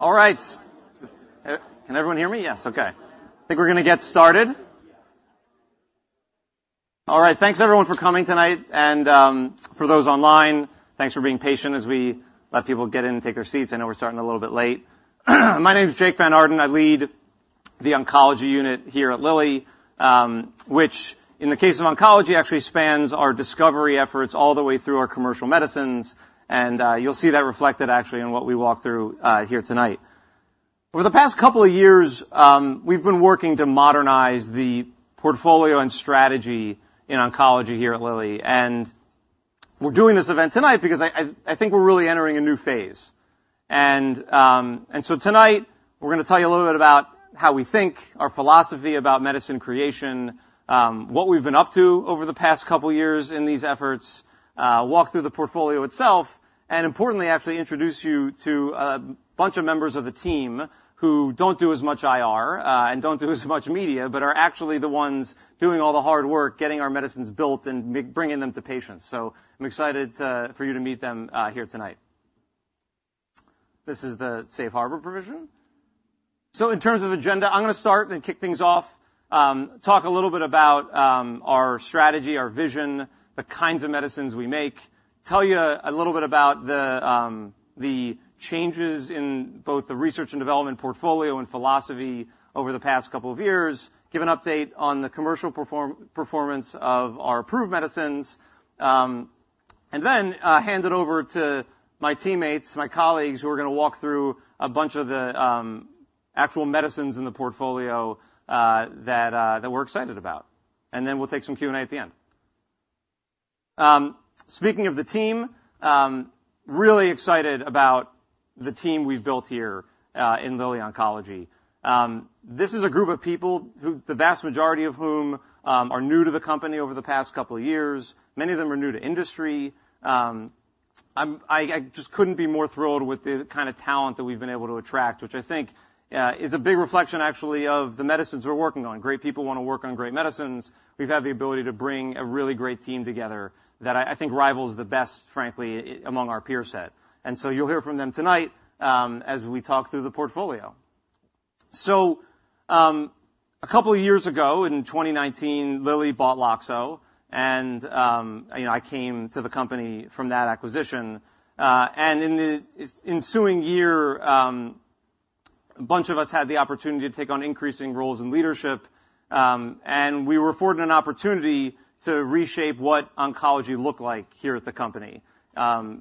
All right. Can everyone hear me? Yes. Okay. I think we're gonna get started. All right, thanks, everyone, for coming tonight, and for those online, thanks for being patient as we let people get in and take their seats. I know we're starting a little bit late. My name is Jake Van Naarden. I lead the oncology unit here at Lilly, which, in the case of oncology, actually spans our discovery efforts all the way through our commercial medicines, and you'll see that reflected actually in what we walk through here tonight. Over the past couple of years, we've been working to modernize the portfolio and strategy in oncology here at Lilly, and we're doing this event tonight because I, I, I think we're really entering a new phase. And, and so tonight, we're gonna tell you a little bit about how we think, our philosophy about medicine creation, what we've been up to over the past couple of years in these efforts, walk through the portfolio itself, and importantly, actually introduce you to a bunch of members of the team who don't do as much IR, and don't do as much media, but are actually the ones doing all the hard work, getting our medicines built and bringing them to patients. So I'm excited, for you to meet them, here tonight. This is the safe harbor provision. So in terms of agenda, I'm gonna start and kick things off, talk a little bit about our strategy, our vision, the kinds of medicines we make, tell you a little bit about the changes in both the research and development portfolio and philosophy over the past couple of years, give an update on the commercial performance of our approved medicines, and then hand it over to my teammates, my colleagues, who are gonna walk through a bunch of the actual medicines in the portfolio that we're excited about. And then we'll take some Q&A at the end. Speaking of the team, really excited about the team we've built here in Lilly Oncology. This is a group of people who... The vast majority of whom are new to the company over the past couple of years. Many of them are new to industry. I just couldn't be more thrilled with the kind of talent that we've been able to attract, which I think is a big reflection, actually, of the medicines we're working on. Great people wanna work on great medicines. We've had the ability to bring a really great team together that I think rivals the best, frankly, among our peer set. And so you'll hear from them tonight, as we talk through the portfolio. So, a couple of years ago, in 2019, Lilly bought Loxo, and, you know, I came to the company from that acquisition, and in the ensuing year, a bunch of us had the opportunity to take on increasing roles in leadership, and we were afforded an opportunity to reshape what oncology looked like here at the company. But,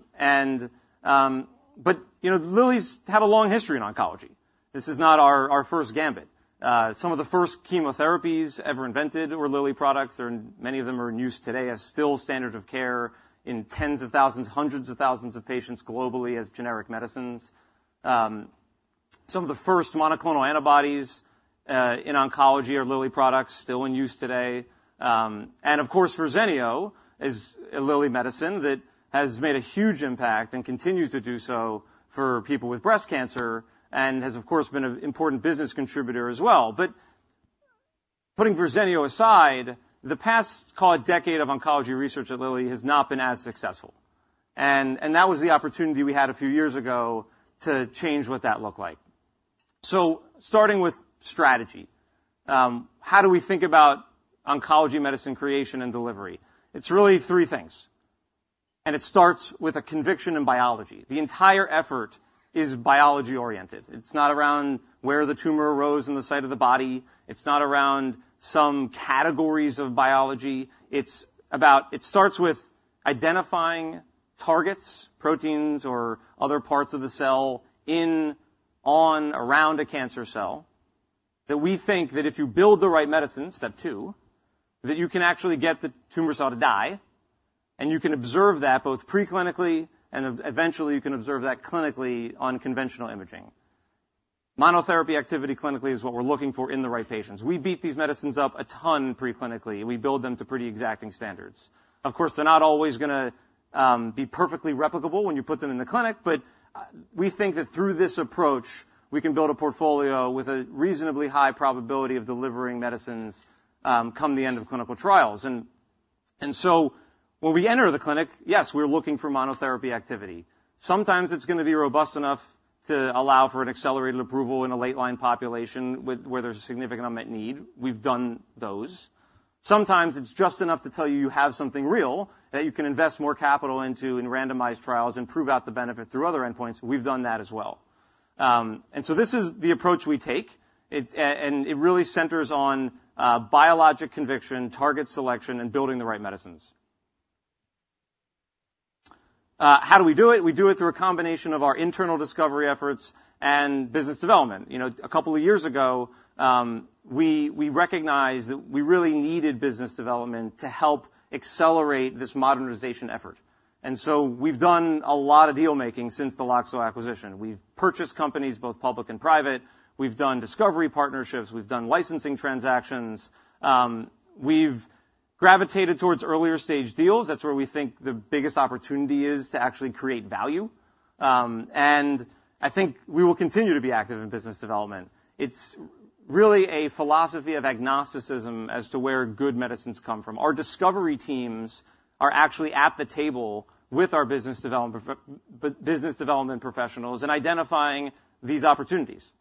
you know, Lilly's had a long history in oncology. This is not our first gambit. Some of the first chemotherapies ever invented were Lilly products. Many of them are in use today as still standard of care in tens of thousands, hundreds of thousands of patients globally as generic medicines. Some of the first monoclonal antibodies in oncology are Lilly products still in use today. And of course, Verzenio is a Lilly medicine that has made a huge impact and continues to do so for people with breast cancer, and has, of course, been an important business contributor as well. But putting Verzenio aside, the past, call it, decade of oncology research at Lilly has not been as successful. And that was the opportunity we had a few years ago to change what that looked like. So starting with strategy, how do we think about oncology medicine creation and delivery? It's really three things, and it starts with a conviction in biology. The entire effort is biology-oriented. It's not around where the tumor arose in the site of the body. It's not around some categories of biology. It's about it starts with identifying targets, proteins, or other parts of the cell in, on, around a cancer cell, that we think that if you build the right medicine, step two, that you can actually get the tumor cell to die, and you can observe that both preclinically and eventually, you can observe that clinically on conventional imaging. Monotherapy activity clinically is what we're looking for in the right patients. We beat these medicines up a ton preclinically. We build them to pretty exacting standards. Of course, they're not always gonna be perfectly replicable when you put them in the clinic, but we think that through this approach, we can build a portfolio with a reasonably high probability of delivering medicines, come the end of clinical trials. So when we enter the clinic, yes, we're looking for monotherapy activity. Sometimes it's gonna be robust enough to allow for an accelerated approval in a late-line population where there's a significant unmet need. We've done those. Sometimes it's just enough to tell you, you have something real that you can invest more capital into in randomized trials and prove out the benefit through other endpoints. We've done that as well. And so this is the approach we take. And it really centers on biologic conviction, target selection, and building the right medicines. How do we do it? We do it through a combination of our internal discovery efforts and business development. You know, a couple of years ago, we recognized that we really needed business development to help accelerate this modernization effort, and so we've done a lot of deal-making since the Loxo acquisition. We've purchased companies, both public and private. We've done discovery partnerships. We've done licensing transactions. We've gravitated towards earlier-stage deals. That's where we think the biggest opportunity is to actually create value. And I think we will continue to be active in business development. It's really a philosophy of agnosticism as to where good medicines come from. Our discovery teams are actually at the table with our business development professionals in identifying these opportunities.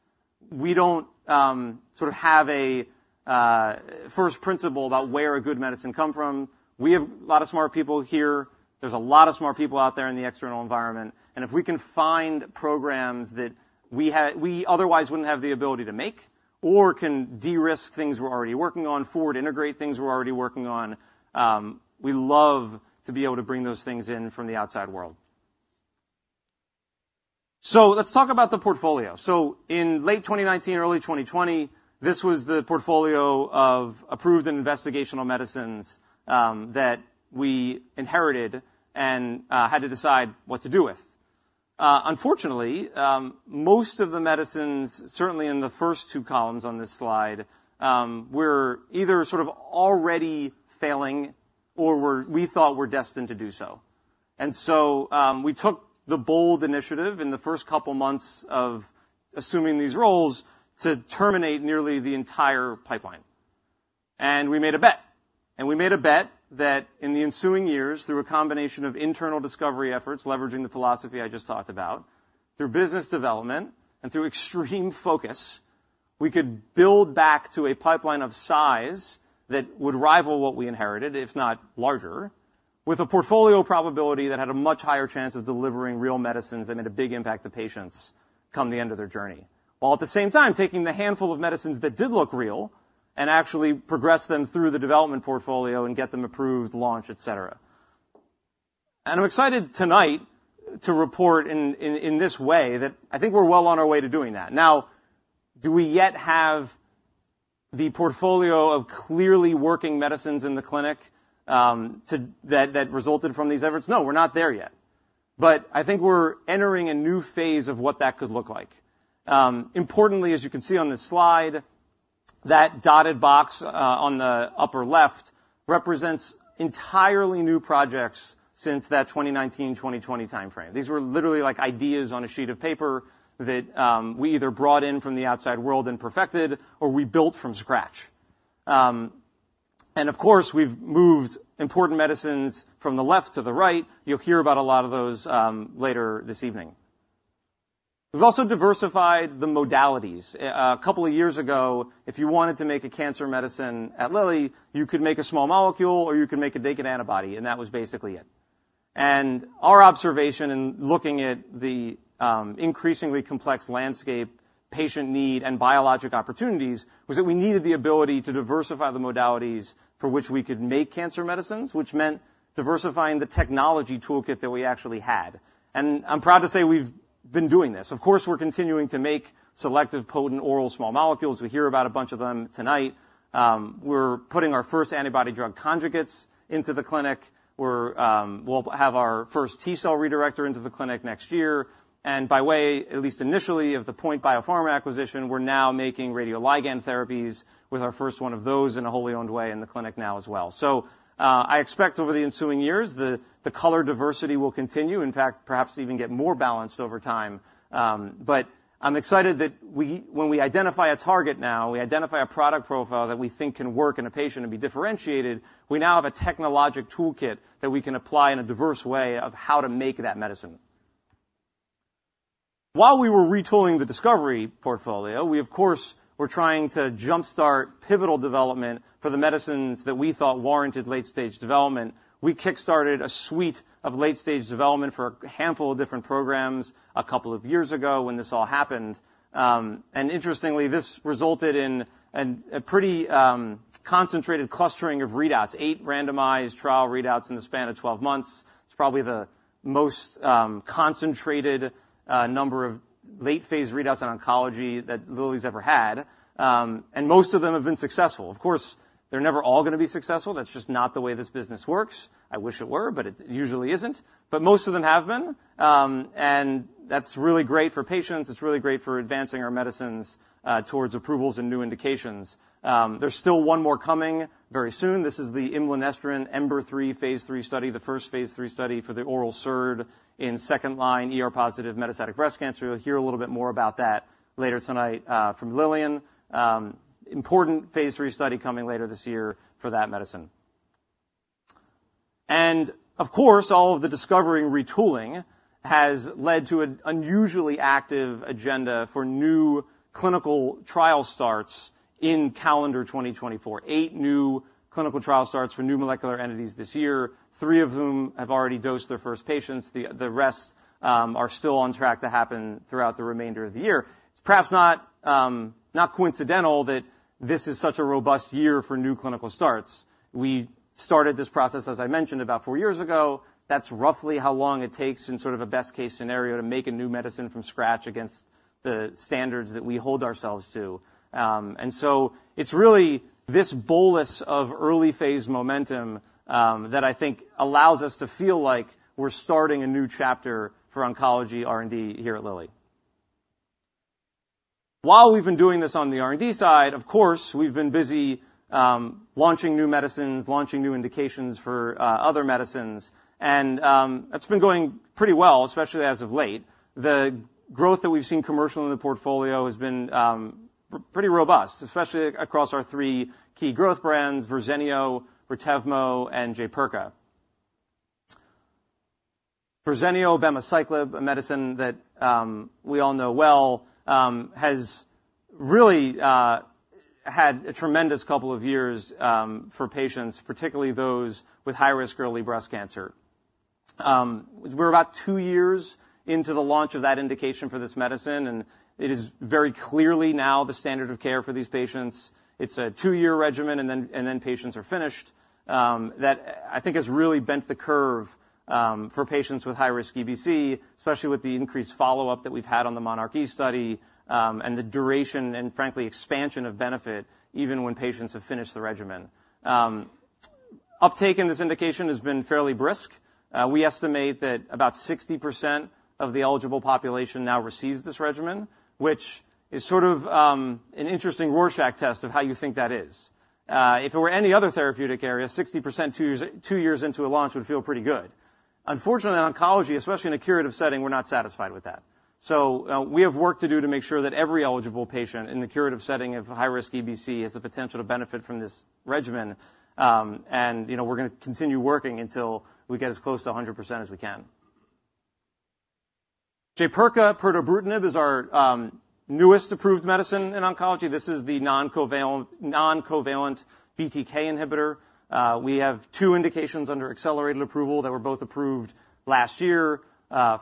We don't sort of have a first principle about where a good medicine come from. We have a lot of smart people here. There's a lot of smart people out there in the external environment, and if we can find programs that we otherwise wouldn't have the ability to make or can de-risk things we're already working on, forward integrate things we're already working on, we love to be able to bring those things in from the outside world. So let's talk about the portfolio. So in late 2019, early 2020, this was the portfolio of approved and investigational medicines, that we inherited and, had to decide what to do with. Unfortunately, most of the medicines, certainly in the first two columns on this slide, were either sort of already failing or we thought were destined to do so. And so, we took the bold initiative in the first couple months of assuming these roles, to terminate nearly the entire pipeline. We made a bet that in the ensuing years, through a combination of internal discovery efforts, leveraging the philosophy I just talked about, through business development and through extreme focus, we could build back to a pipeline of size that would rival what we inherited, if not larger, with a portfolio probability that had a much higher chance of delivering real medicines that made a big impact to patients come the end of their journey. While at the same time, taking the handful of medicines that did look real and actually progress them through the development portfolio and get them approved, launch, et cetera. And I'm excited tonight to report in this way that I think we're well on our way to doing that. Now, do we yet have the portfolio of clearly working medicines in the clinic, to... That, that resulted from these efforts? No, we're not there yet, but I think we're entering a new phase of what that could look like. Importantly, as you can see on this slide, that dotted box on the upper left represents entirely new projects since that 2019, 2020 timeframe. These were literally like ideas on a sheet of paper that we either brought in from the outside world and perfected or we built from scratch. And of course, we've moved important medicines from the left to the right. You'll hear about a lot of those later this evening. We've also diversified the modalities. A couple of years ago, if you wanted to make a cancer medicine at Lilly, you could make a small molecule, or you could make a naked antibody, and that was basically it. Our observation in looking at the increasingly complex landscape, patient need, and biologic opportunities, was that we needed the ability to diversify the modalities for which we could make cancer medicines, which meant diversifying the technology toolkit that we actually had. I'm proud to say we've been doing this. Of course, we're continuing to make selective, potent, oral small molecules. We'll hear about a bunch of them tonight. We're putting our first antibody-drug conjugates into the clinic. We're... We'll have our first T-cell redirector into the clinic next year, and by way of, at least initially, the POINT Biopharma acquisition, we're now making radioligand therapies, with our first one of those in a wholly owned way in the clinic now as well. So, I expect over the ensuing years, the color diversity will continue, in fact, perhaps even get more balanced over time. But I'm excited that we, when we identify a target now, we identify a product profile that we think can work in a patient and be differentiated, we now have a technologic toolkit that we can apply in a diverse way of how to make that medicine. While we were retooling the discovery portfolio, we, of course, were trying to jumpstart pivotal development for the medicines that we thought warranted late-stage development. We kickstarted a suite of late-stage development for a handful of different programs a couple of years ago when this all happened. And interestingly, this resulted in a pretty concentrated clustering of readouts. 8 randomized trial readouts in the span of 12 months. It's probably the most concentrated number of late phase readouts in oncology that Lilly's ever had. And most of them have been successful. Of course, they're never all gonna be successful. That's just not the way this business works. I wish it were, but it usually isn't. But most of them have been, and that's really great for patients. It's really great for advancing our medicines towards approvals and new indications. There's still one more coming very soon. This is the imlunestrant EMBER-3 phase 3 study, the first phase 3 study for the oral SERD in second-line, ER-positive metastatic breast cancer. You'll hear a little bit more about that later tonight from Lillian. Important phase 3 study coming later this year for that medicine. Of course, all of the discovery retooling has led to an unusually active agenda for new clinical trial starts in calendar 2024. Eight new clinical trial starts for new molecular entities this year, three of whom have already dosed their first patients. The rest are still on track to happen throughout the remainder of the year. It's perhaps not, not coincidental that this is such a robust year for new clinical starts. We started this process, as I mentioned, about four years ago. That's roughly how long it takes in sort of a best case scenario, to make a new medicine from scratch against the standards that we hold ourselves to. And so it's really this bolus of early phase momentum that I think allows us to feel like we're starting a new chapter for oncology R&D here at Lilly. While we've been doing this on the R&D side, of course, we've been busy, launching new medicines, launching new indications for, other medicines, and, it's been going pretty well, especially as of late. The growth that we've seen commercial in the portfolio has been, pretty robust, especially across our three key growth brands, Verzenio, Retevmo, and Jaypirca. Verzenio, abemaciclib, a medicine that, we all know well, has really, had a tremendous couple of years, for patients, particularly those with high-risk early breast cancer. We're about two years into the launch of that indication for this medicine, and it is very clearly now the standard of care for these patients. It's a 2-year regimen, and then patients are finished, that I think has really bent the curve, for patients with high-risk EBC, especially with the increased follow-up that we've had on the monarchE study, and the duration and frankly, expansion of benefit even when patients have finished the regimen. Uptake in this indication has been fairly brisk. We estimate that about 60% of the eligible population now receives this regimen, which is sort of, an interesting Rorschach test of how you think that is. If it were any other therapeutic area, 60% 2 years, 2 years into a launch would feel pretty good. Unfortunately, in oncology, especially in a curative setting, we're not satisfied with that. So, we have work to do to make sure that every eligible patient in the curative setting of high-risk EBC has the potential to benefit from this regimen. And, you know, we're gonna continue working until we get as close to 100% as we can. Jaypirca, pirtobrutinib, is our newest approved medicine in oncology. This is the non-covalent, non-covalent BTK inhibitor. We have two indications under accelerated approval that were both approved last year.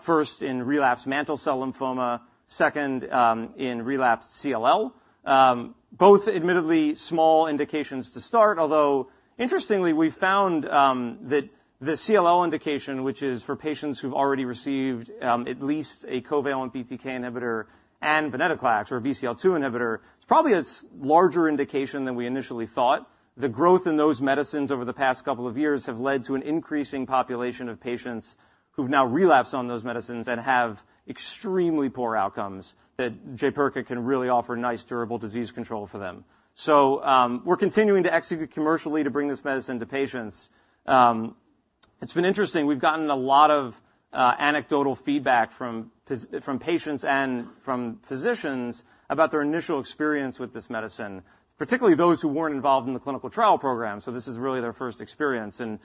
First in relapsed mantle cell lymphoma, second, in relapsed CLL. Both admittedly small indications to start, although interestingly, we found that the CLL indication, which is for patients who've already received at least a covalent BTK inhibitor and venetoclax, or BCL-2 inhibitor, it's probably a larger indication than we initially thought. The growth in those medicines over the past couple of years have led to an increasing population of patients who've now relapsed on those medicines and have extremely poor outcomes that Jaypirca can really offer nice durable disease control for them. So, we're continuing to execute commercially to bring this medicine to patients. It's been interesting. We've gotten a lot of anecdotal feedback from patients and from physicians about their initial experience with this medicine, particularly those who weren't involved in the clinical trial program. So this is really their first experience, and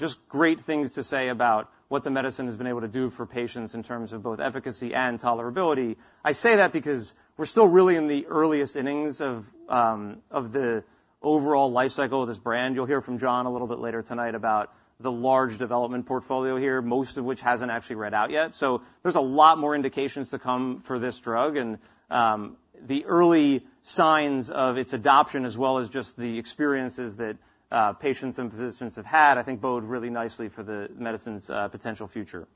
just great things to say about what the medicine has been able to do for patients in terms of both efficacy and tolerability. I say that because we're still really in the earliest innings of the overall life cycle of this brand. You'll hear from Jeff a little bit later tonight about the large development portfolio here, most of which hasn't actually read out yet. So there's a lot more indications to come for this drug, and the early signs of its adoption, as well as just the experiences that patients and physicians have had, I think bode really nicely for the medicine's potential future.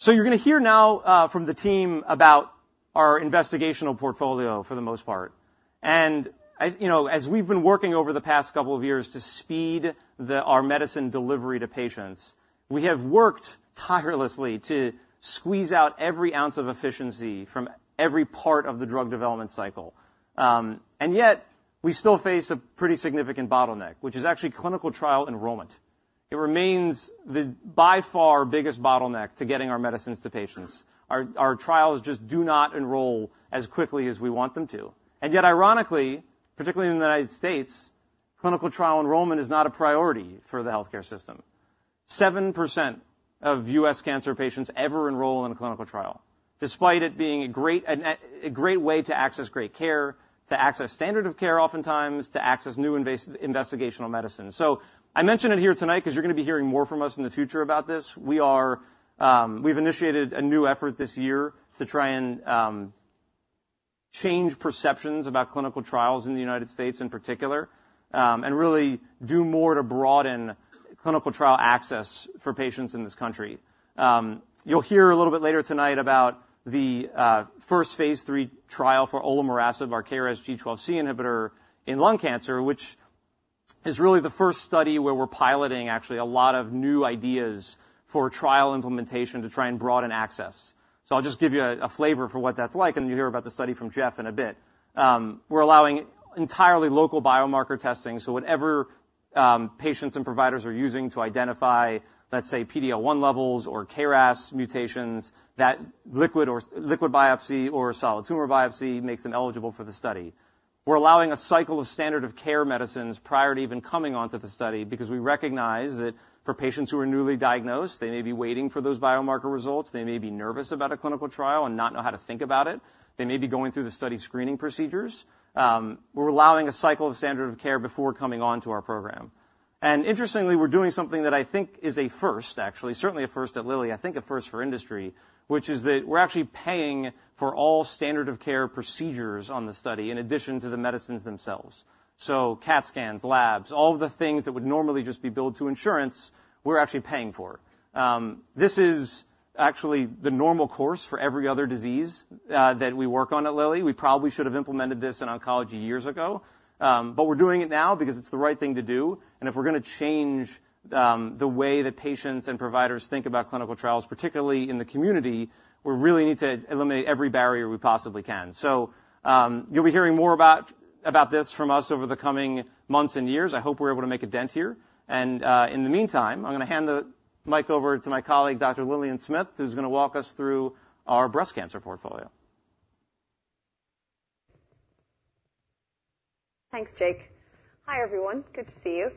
So you're gonna hear now from the team about our investigational portfolio for the most part. You know, as we've been working over the past couple of years to speed our medicine delivery to patients, we have worked tirelessly to squeeze out every ounce of efficiency from every part of the drug development cycle. And yet, we still face a pretty significant bottleneck, which is actually clinical trial enrollment. It remains by far our biggest bottleneck to getting our medicines to patients. Our trials just do not enroll as quickly as we want them to. And yet, ironically, particularly in the United States, clinical trial enrollment is not a priority for the healthcare system. 7% of U.S. cancer patients ever enroll in a clinical trial, despite it being a great way to access great care, to access standard of care, oftentimes to access new investigational medicine. So I mention it here tonight because you're gonna be hearing more from us in the future about this. We've initiated a new effort this year to try and change perceptions about clinical trials in the United States in particular, and really do more to broaden clinical trial access for patients in this country. You'll hear a little bit later tonight about the first phase 3 trial for olornarasib, our KRAS G12C inhibitor in lung cancer, which is really the first study where we're piloting actually a lot of new ideas for trial implementation to try and broaden access. So I'll just give you a flavor for what that's like, and you'll hear about the study from Jeff in a bit. We're allowing entirely local biomarker testing, so whatever patients and providers are using to identify, let's say, PD-L1 levels or KRAS mutations, that liquid biopsy or solid tumor biopsy makes them eligible for the study. We're allowing a cycle of standard of care medicines prior to even coming onto the study, because we recognize that for patients who are newly diagnosed, they may be waiting for those biomarker results. They may be nervous about a clinical trial and not know how to think about it. They may be going through the study screening procedures. We're allowing a cycle of standard of care before coming on to our program. Interestingly, we're doing something that I think is a first, actually, certainly a first at Lilly, I think a first for industry, which is that we're actually paying for all standard of care procedures on the study, in addition to the medicines themselves. So CAT scans, labs, all of the things that would normally just be billed to insurance, we're actually paying for. This is actually the normal course for every other disease, that we work on at Lilly. We probably should have implemented this in oncology years ago, but we're doing it now because it's the right thing to do. And if we're gonna change the way that patients and providers think about clinical trials, particularly in the community, we really need to eliminate every barrier we possibly can. So, you'll be hearing more about this from us over the coming months and years. I hope we're able to make a dent here. And, in the meantime, I'm gonna hand the-... mic over to my colleague, Dr. Lillian Smyth, who's going to walk us through our breast cancer portfolio. Thanks, Jake. Hi, everyone. Good to see you.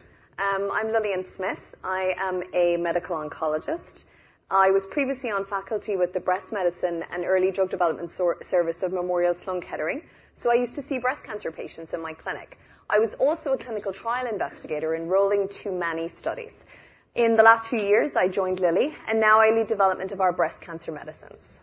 I'm Lillian Smyth. I am a medical oncologist. I was previously on faculty with the Breast Medicine and Early Drug Development Service of Memorial Sloan Kettering, so I used to see breast cancer patients in my clinic. I was also a clinical trial investigator, enrolling too many studies. In the last few years, I joined Lilly, and now I lead development of our breast cancer medicines.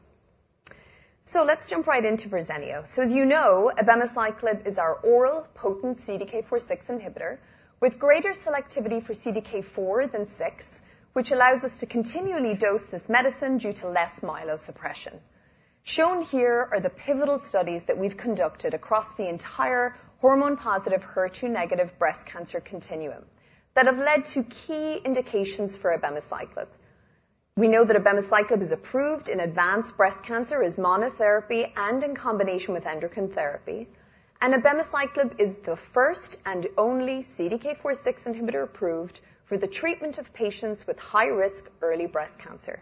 So let's jump right into Verzenio. So as you know, abemaciclib is our oral potent CDK4/6 inhibitor with greater selectivity for CDK4 than CDK6, which allows us to continually dose this medicine due to less myelosuppression. Shown here are the pivotal studies that we've conducted across the entire hormone-positive, HER2-negative breast cancer continuum that have led to key indications for abemaciclib. We know that abemaciclib is approved in advanced breast cancer as monotherapy and in combination with endocrine therapy, and abemaciclib is the first and only CDK4/6 inhibitor approved for the treatment of patients with high-risk early breast cancer.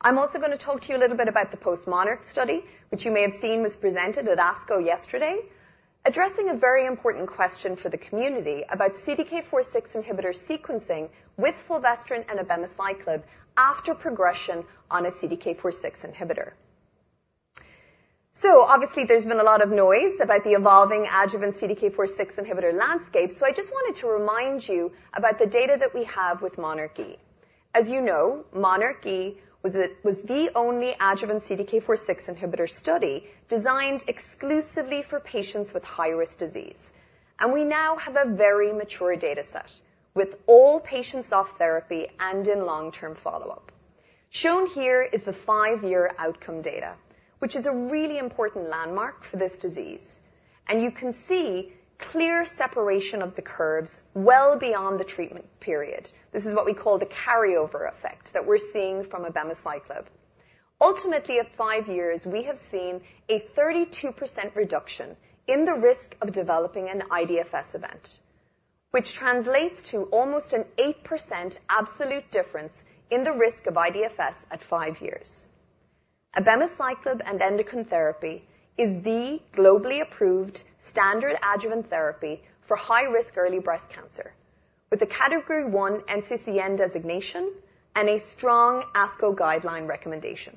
I'm also going to talk to you a little bit about the postMONARCH study, which you may have seen, was presented at ASCO yesterday, addressing a very important question for the community about CDK4/6 inhibitor sequencing with fulvestrant and abemaciclib after progression on a CDK4/6 inhibitor. So obviously, there's been a lot of noise about the evolving adjuvant CDK4/6 inhibitor landscape, so I just wanted to remind you about the data that we have with monarchE. As you know, monarchE was it... was the only adjuvant CDK4/6 inhibitor study designed exclusively for patients with high-risk disease, and we now have a very mature data set with all patients off therapy and in long-term follow-up. Shown here is the 5-year outcome data, which is a really important landmark for this disease, and you can see clear separation of the curves well beyond the treatment period. This is what we call the carryover effect that we're seeing from abemaciclib. Ultimately, at 5 years, we have seen a 32% reduction in the risk of developing an IDFS event, which translates to almost an 8% absolute difference in the risk of IDFS at 5 years. abemaciclib and endocrine therapy is the globally approved standard adjuvant therapy for high-risk early breast cancer, with a Category 1 NCCN designation and a strong ASCO guideline recommendation.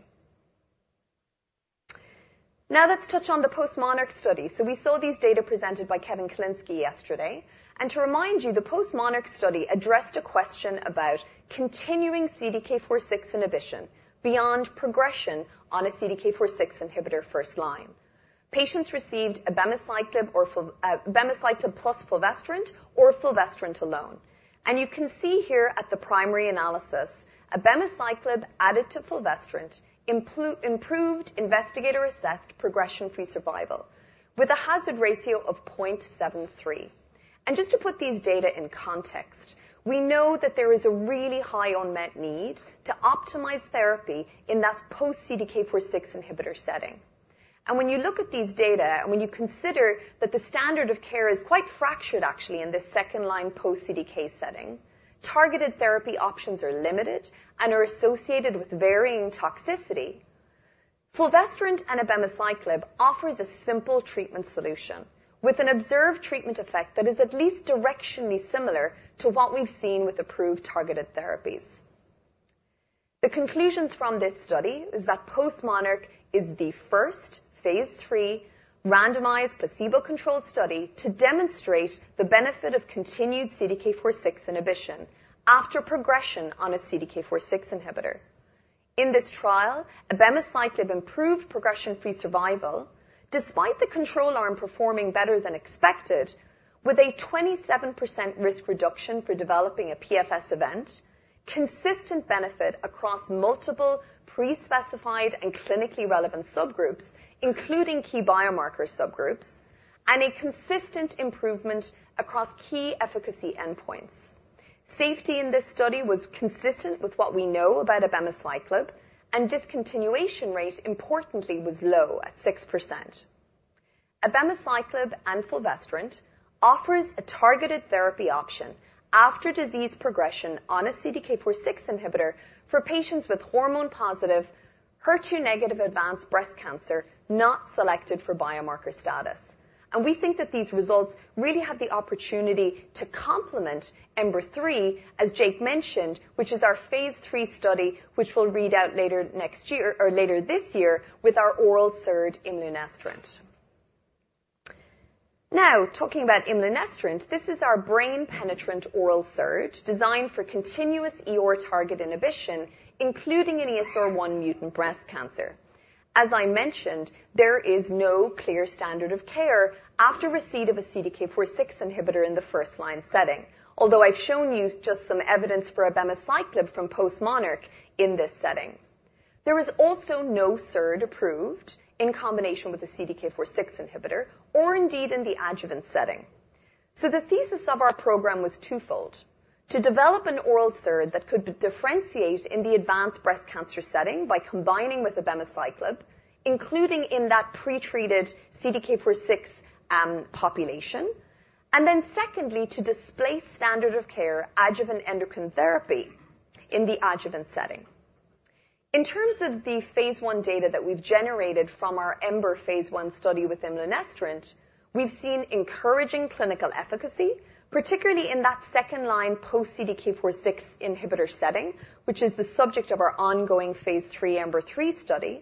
Now, let's touch on the postMONARCH study. So we saw these data presented by Kevin Kalinsky yesterday. To remind you, the postMONARCH study addressed a question about continuing CDK4/6 inhibition beyond progression on a CDK4/6 inhibitor first line. Patients received abemaciclib plus fulvestrant, or fulvestrant alone. You can see here at the primary analysis, abemaciclib added to fulvestrant improved investigator-assessed progression-free survival, with a hazard ratio of 0.73. Just to put these data in context, we know that there is a really high unmet need to optimize therapy in that post-CDK4/6 inhibitor setting. When you look at these data, and when you consider that the standard of care is quite fractured, actually, in this second-line post-CDK setting, targeted therapy options are limited and are associated with varying toxicity. fulvestrant and abemaciclib offers a simple treatment solution with an observed treatment effect that is at least directionally similar to what we've seen with approved targeted therapies. The conclusions from this study is that postMONARCH is the first phase 3 randomized, placebo-controlled study to demonstrate the benefit of continued CDK4/6 inhibition after progression on a CDK4/6 inhibitor. In this trial, abemaciclib improved progression-free survival, despite the control arm performing better than expected, with a 27% risk reduction for developing a PFS event, consistent benefit across multiple pre-specified and clinically relevant subgroups, including key biomarker subgroups, and a consistent improvement across key efficacy endpoints. Safety in this study was consistent with what we know about abemaciclib, and discontinuation rate, importantly, was low at 6%. abemaciclib and fulvestrant offers a targeted therapy option after disease progression on a CDK4/6 inhibitor for patients with hormone-positive, HER2-negative advanced breast cancer, not selected for biomarker status. We think that these results really have the opportunity to complement EMBER-3, as Jake mentioned, which is our phase 3 study, which we'll read out later next year or later this year with our oral SERD imlunestrant. Now, talking about imlunestrant, this is our brain-penetrant oral SERD designed for continuous ER-target inhibition, including in ESR1 mutant breast cancer. As I mentioned, there is no clear standard of care after receipt of a CDK4/6 inhibitor in the first line setting, although I've shown you just some evidence for abemaciclib from postMONARCH in this setting. There was also no SERD approved in combination with a CDK4/6 inhibitor or indeed in the adjuvant setting. The thesis of our program was twofold: to develop an oral SERD that could differentiate in the advanced breast cancer setting by combining with abemaciclib, including in that pretreated CDK4/6 population. And then secondly, to displace standard of care adjuvant endocrine therapy in the adjuvant setting. In terms of the phase one data that we've generated from our EMBER phase one study with imlunestrant, we've seen encouraging clinical efficacy, particularly in that second-line post CDK4/6 inhibitor setting, which is the subject of our ongoing phase three EMBER-3 study.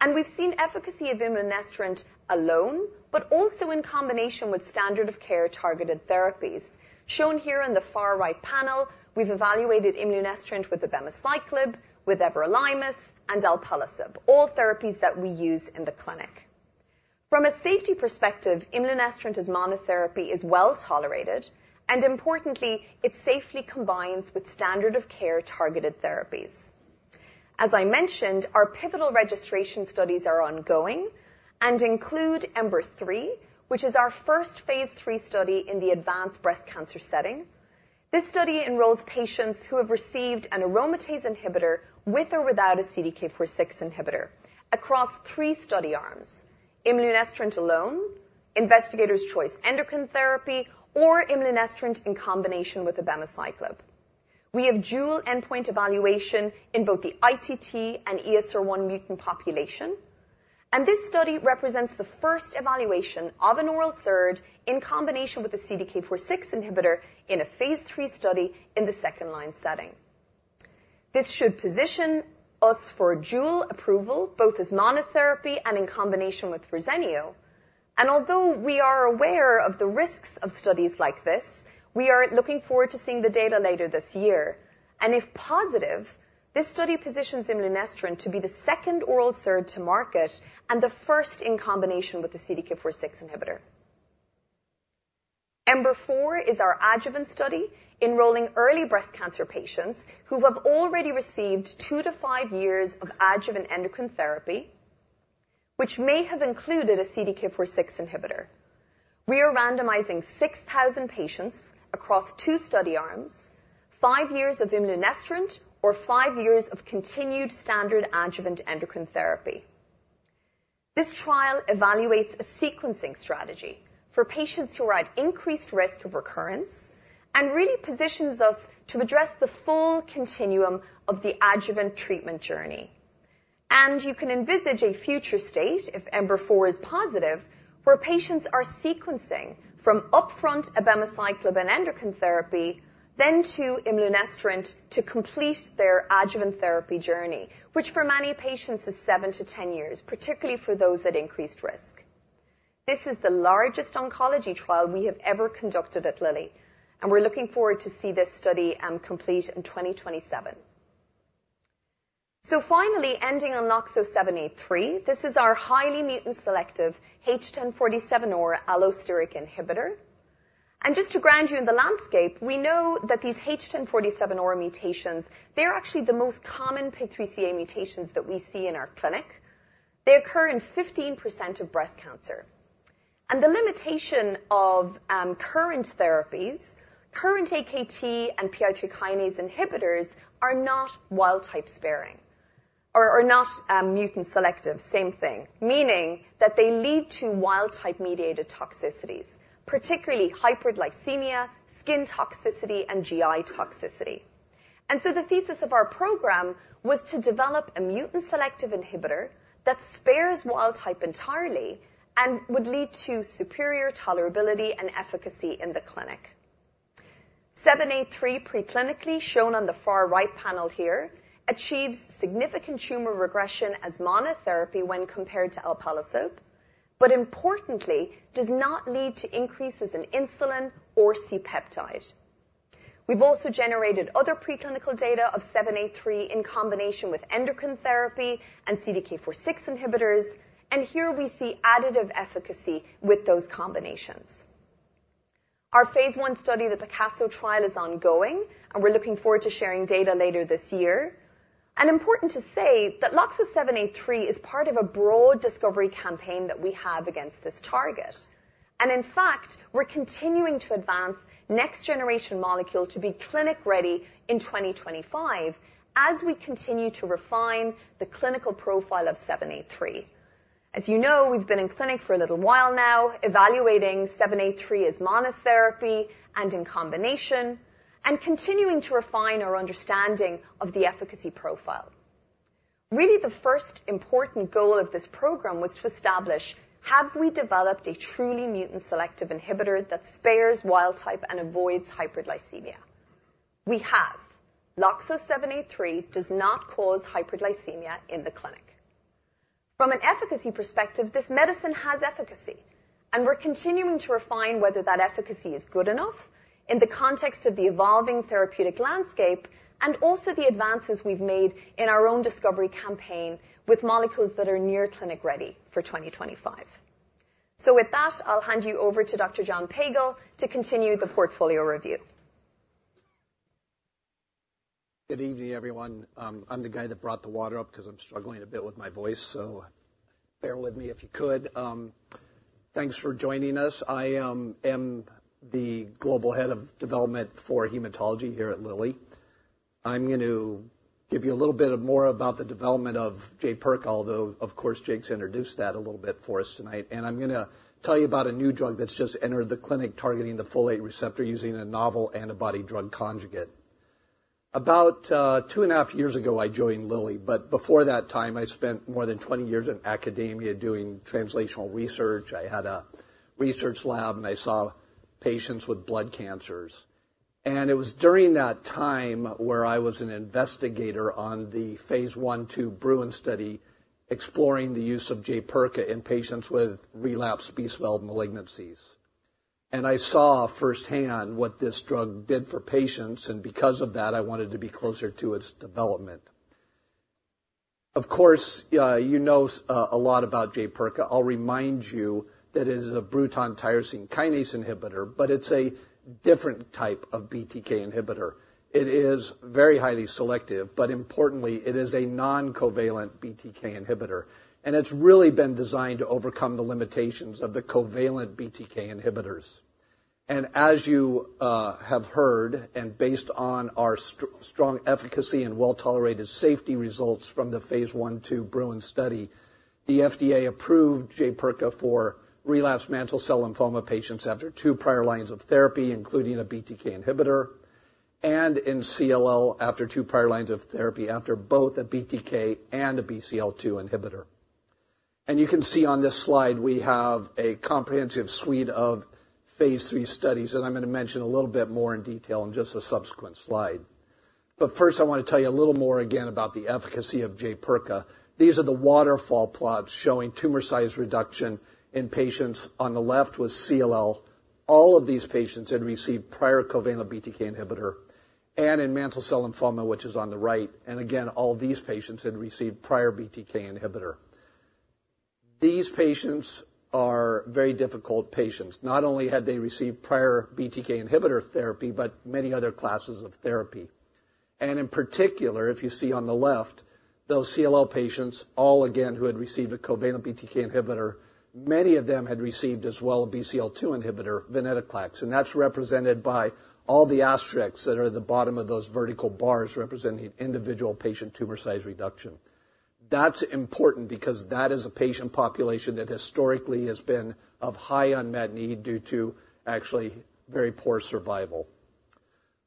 And we've seen efficacy of imlunestrant alone, but also in combination with standard-of-care targeted therapies. Shown here in the far right panel, we've evaluated imlunestrant with abemaciclib, with everolimus, and alpelisib, all therapies that we use in the clinic. From a safety perspective, imlunestrant as monotherapy is well tolerated, and importantly, it safely combines with standard-of-care targeted therapies. As I mentioned, our pivotal registration studies are ongoing and include EMBER-3, which is our first phase 3 study in the advanced breast cancer setting. This study enrolls patients who have received an aromatase inhibitor with or without a CDK4/6 inhibitor across three study arms: imlunestrant alone, investigator's choice endocrine therapy, or imlunestrant in combination with abemaciclib. We have dual endpoint evaluation in both the ITT and ESR1 mutant population, and this study represents the first evaluation of an oral SERD in combination with a CDK4/6 inhibitor in a phase 3 study in the second-line setting. This should position us for dual approval, both as monotherapy and in combination with Verzenio. Although we are aware of the risks of studies like this, we are looking forward to seeing the data later this year. If positive, this study positions imlunestrant to be the second oral SERD to market and the first in combination with the CDK4/6 inhibitor. EMBER-4 is our adjuvant study, enrolling early breast cancer patients who have already received 2-5 years of adjuvant endocrine therapy, which may have included a CDK4/6 inhibitor. We are randomizing 6,000 patients across two study arms, 5 years of imlunestrant or 5 years of continued standard adjuvant endocrine therapy. This trial evaluates a sequencing strategy for patients who are at increased risk of recurrence and really positions us to address the full continuum of the adjuvant treatment journey. You can envisage a future state, if EMBER-4 is positive, where patients are sequencing from upfront abemaciclib and endocrine therapy, then to imlunestrant to complete their adjuvant therapy journey, which for many patients is 7-10 years, particularly for those at increased risk. This is the largest oncology trial we have ever conducted at Lilly, and we're looking forward to see this study complete in 2027. So finally, ending on LOXO-783, this is our highly mutant-selective H1047R allosteric inhibitor. And just to ground you in the landscape, we know that these H1047R mutations, they're actually the most common PIK3CA mutations that we see in our clinic. They occur in 15% of breast cancer. And the limitation of current therapies, current Akt and PI3 kinase inhibitors are not wild-type sparing or not mutant-selective, same thing, meaning that they lead to wild-type-mediated toxicities, particularly hyperglycemia, skin toxicity, and GI toxicity. And so the thesis of our program was to develop a mutant-selective inhibitor that spares wild-type entirely and would lead to superior tolerability and efficacy in the clinic. 783 preclinically, shown on the far right panel here, achieves significant tumor regression as monotherapy when compared to alpelisib, but importantly, does not lead to increases in insulin or C-peptide. We've also generated other preclinical data of 783 in combination with endocrine therapy and CDK4/6 inhibitors, and here we see additive efficacy with those combinations. Our phase 1 study, the PICASSO trial, is ongoing, and we're looking forward to sharing data later this year. Important to say that LOXO-783 is part of a broad discovery campaign that we have against this target. In fact, we're continuing to advance next-generation molecule to be clinic-ready in 2025 as we continue to refine the clinical profile of 783. As you know, we've been in clinic for a little while now, evaluating 783 as monotherapy and in combination, and continuing to refine our understanding of the efficacy profile. Really, the first important goal of this program was to establish: Have we developed a truly mutant-selective inhibitor that spares wild type and avoids hyperglycemia? We have. LOXO-783 does not cause hyperglycemia in the clinic. From an efficacy perspective, this medicine has efficacy, and we're continuing to refine whether that efficacy is good enough in the context of the evolving therapeutic landscape and also the advances we've made in our own discovery campaign with molecules that are near clinic-ready for 2025. So with that, I'll hand you over to Dr. John Pagel to continue the portfolio review. Good evening, everyone. I'm the guy that brought the water up because I'm struggling a bit with my voice, so bear with me if you could. Thanks for joining us. I am the Global Head of Development for Hematology here at Lilly. I'm going to give you a little bit more about the development of Jaypirca, although, of course, Jake's introduced that a little bit for us tonight, and I'm gonna tell you about a new drug that's just entered the clinic, targeting the folate receptor using a novel antibody-drug conjugate. About 2.5 years ago, I joined Lilly, but before that time, I spent more than 20 years in academia doing translational research. I had a research lab, and I saw patients with blood cancers. It was during that time where I was an investigator on the phase I/II BRUIN study, exploring the use of Jaypirca in patients with relapsed B-cell malignancies. I saw firsthand what this drug did for patients, and because of that, I wanted to be closer to its development. Of course, you know, say a lot about Jaypirca. I'll remind you that it is a Bruton tyrosine kinase inhibitor, but it's a different type of BTK inhibitor. It is very highly selective, but importantly, it is a non-covalent BTK inhibitor, and it's really been designed to overcome the limitations of the covalent BTK inhibitors. As you have heard, and based on our strong efficacy and well-tolerated safety results from the phase I/II BRUIN study, the FDA approved Jaypirca for relapsed mantle cell lymphoma patients after two prior lines of therapy, including a BTK inhibitor, and in CLL, after two prior lines of therapy, after both a BTK and a BCL-2 inhibitor. You can see on this slide, we have a comprehensive suite of phase III studies, and I'm gonna mention a little bit more in detail in just a subsequent slide. But first, I wanna tell you a little more again about the efficacy of Jaypirca. These are the waterfall plots showing tumor size reduction in patients. On the left was CLL. All of these patients had received prior covalent BTK inhibitor and in mantle cell lymphoma, which is on the right, and again, all these patients had received prior BTK inhibitor. These patients are very difficult patients. Not only had they received prior BTK inhibitor therapy, but many other classes of therapy. And in particular, if you see on the left, those CLL patients, all again, who had received a covalent BTK inhibitor, many of them had received as well a BCL-2 inhibitor, Venetoclax, and that's represented by all the asterisks that are at the bottom of those vertical bars representing individual patient tumor size reduction. That's important because that is a patient population that historically has been of high unmet need due to actually very poor survival.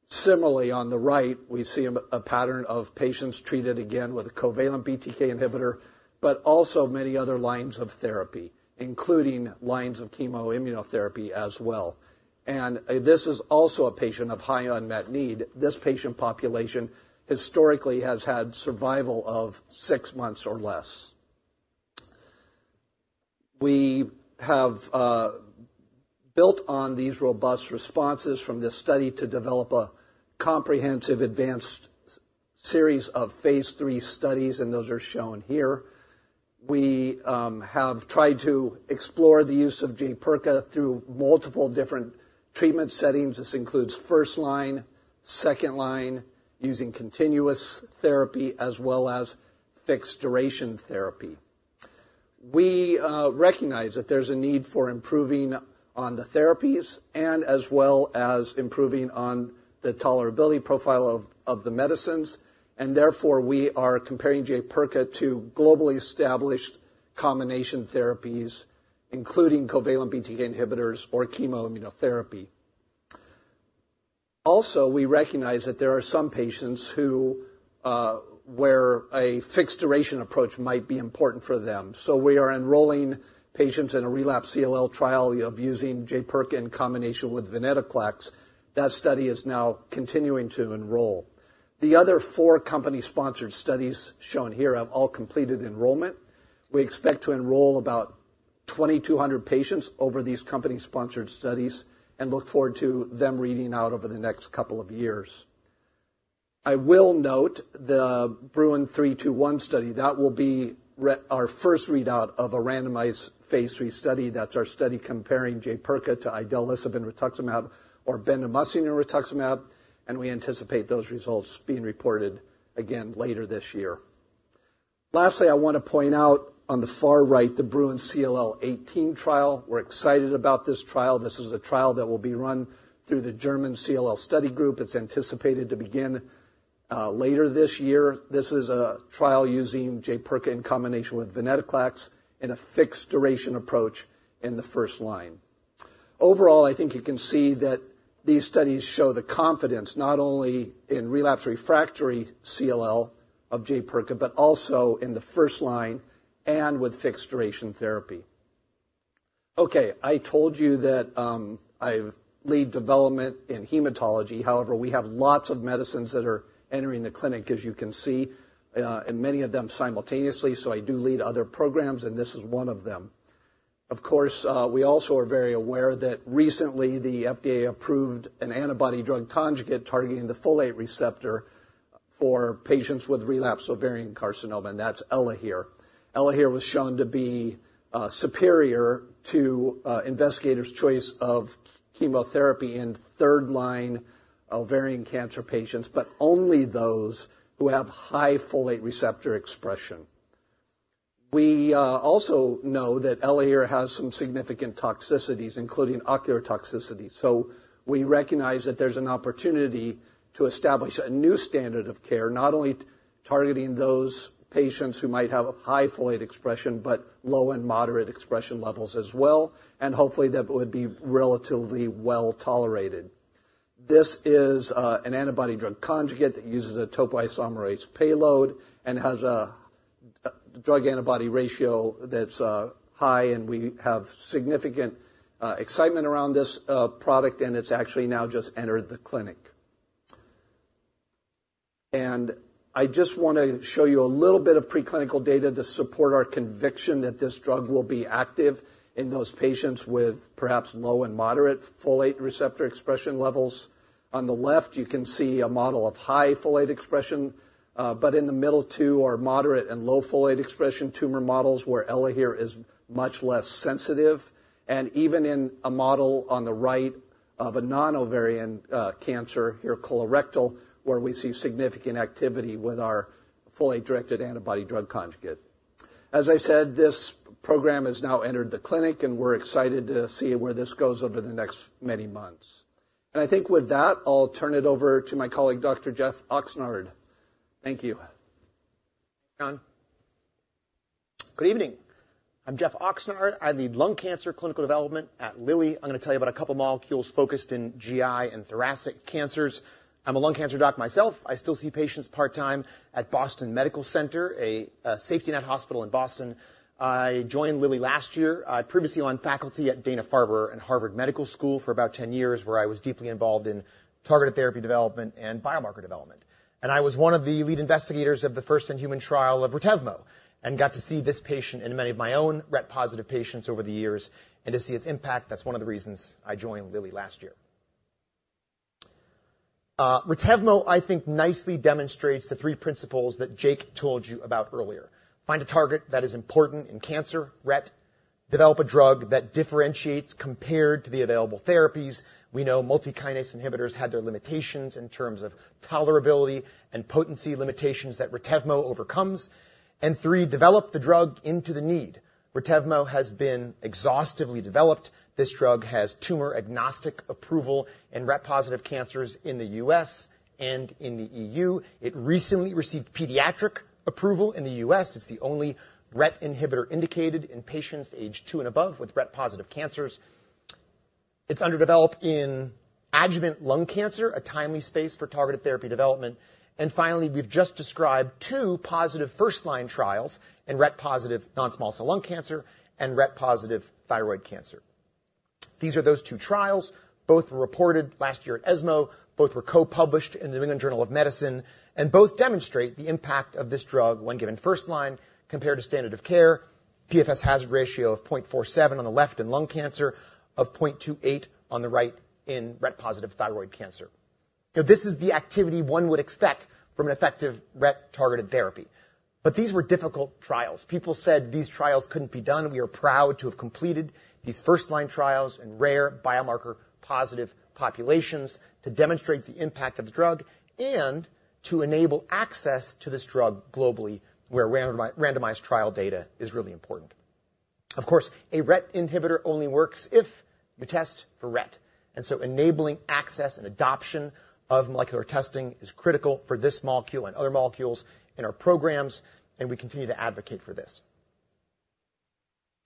Similarly, on the right, we see a pattern of patients treated again with a covalent BTK inhibitor, but also many other lines of therapy, including lines of chemoimmunotherapy as well. This is also a patient of high unmet need. This patient population historically has had survival of six months or less. We have built on these robust responses from this study to develop a comprehensive advanced series of phase III studies, and those are shown here. We have tried to explore the use of Jaypirca through multiple different treatment settings. This includes first line, second line, using continuous therapy, as well as fixed-duration therapy. We recognize that there's a need for improving on the therapies and as well as improving on the tolerability profile of, of the medicines, and therefore, we are comparing Jaypirca to globally established combination therapies, including covalent BTK inhibitors or chemoimmunotherapy. Also, we recognize that there are some patients who where a fixed-duration approach might be important for them. So we are enrolling patients in a relapsed CLL trial of using Jaypirca in combination with venetoclax. That study is now continuing to enroll. The other four company-sponsored studies shown here have all completed enrollment. We expect to enroll about 2,200 patients over these company-sponsored studies and look forward to them reading out over the next couple of years. I will note the BRUIN 321 study. That will be our first readout of a randomized phase III study. That's our study comparing Jaypirca to idelalisib and rituximab or bendamustine and rituximab, and we anticipate those results being reported again later this year. Lastly, I wanna point out on the far right, the BRUIN CLL18 trial. We're excited about this trial. This is a trial that will be run through the German CLL Study Group. It's anticipated to begin later this year. This is a trial using Jaypirca in combination with venetoclax in a fixed-duration approach in the first line. Overall, I think you can see that these studies show the confidence, not only in relapse refractory CLL of Jaypirca, but also in the first line and with fixed-duration therapy. Okay, I told you that I lead development in hematology. However, we have lots of medicines that are entering the clinic, as you can see, and many of them simultaneously. So I do lead other programs, and this is one of them. Of course, we also are very aware that recently, the FDA approved an antibody drug conjugate targeting the folate receptor for patients with relapsed ovarian carcinoma, and that's Elahere. Elahere was shown to be superior to investigators' choice of chemotherapy in third-line ovarian cancer patients, but only those who have high folate receptor expression. We also know that Elahere has some significant toxicities, including ocular toxicity. So we recognize that there's an opportunity to establish a new standard of care, not only targeting those patients who might have a high folate expression, but low and moderate expression levels as well, and hopefully, that would be relatively well tolerated. This is an antibody-drug conjugate that uses a topoisomerase payload and has a drug-antibody ratio that's high, and we have significant excitement around this product, and it's actually now just entered the clinic. I just want to show you a little bit of preclinical data to support our conviction that this drug will be active in those patients with perhaps low and moderate folate receptor expression levels. On the left, you can see a model of high folate expression, but in the middle two are moderate and low folate expression tumor models, where Elahere is much less sensitive, and even in a model on the right of a non-ovarian cancer, here colorectal, where we see significant activity with our folate-directed antibody-drug conjugate. As I said, this program has now entered the clinic, and we're excited to see where this goes over the next many months. I think with that, I'll turn it over to my colleague, Dr. Geoffrey Oxnard. Thank you. John. Good evening. I'm Geoffrey Oxnard. I lead Lung Cancer Clinical Development at Lilly. I'm gonna tell you about a couple of molecules focused in GI and thoracic cancers. I'm a lung cancer doc myself. I still see patients part-time at Boston Medical Center, a safety net hospital in Boston. I joined Lilly last year. I previously was on faculty at Dana-Farber and Harvard Medical School for about 10 years, where I was deeply involved in targeted therapy development and biomarker development. I was one of the lead investigators of the first in-human trial of Retevmo and got to see this patient in many of my own RET-positive patients over the years and to see its impact. That's one of the reasons I joined Lilly last year. Retevmo, I think, nicely demonstrates the three principles that Jake told you about earlier. Find a target that is important in cancer, RET, develop a drug that differentiates compared to the available therapies. We know multi-kinase inhibitors had their limitations in terms of tolerability and potency limitations that Retevmo overcomes, and three, develop the drug into the need. Retevmo has been exhaustively developed. This drug has tumor-agnostic approval in RET-positive cancers in the U.S. and in the E.U. It recently received pediatric approval in the U.S. It's the only RET inhibitor indicated in patients age two and above with RET-positive cancers. It's under development in adjuvant lung cancer, a timely space for targeted therapy development. And finally, we've just described two positive first-line trials in RET-positive non-small cell lung cancer and RET-positive thyroid cancer. These are those two trials. Both were reported last year at ESMO. Both were co-published in the New England Journal of Medicine, and both demonstrate the impact of this drug when given first line compared to standard of care. PFS hazard ratio of 0.47 on the left in lung cancer, of 0.28 on the right in RET-positive thyroid cancer. Now, this is the activity one would expect from an effective RET-targeted therapy. But these were difficult trials. People said these trials couldn't be done. We are proud to have completed these first-line trials in rare biomarker-positive populations to demonstrate the impact of the drug and to enable access to this drug globally, where randomized trial data is really important. Of course, a RET inhibitor only works if you test for RET, and so enabling access and adoption of molecular testing is critical for this molecule and other molecules in our programs, and we continue to advocate for this.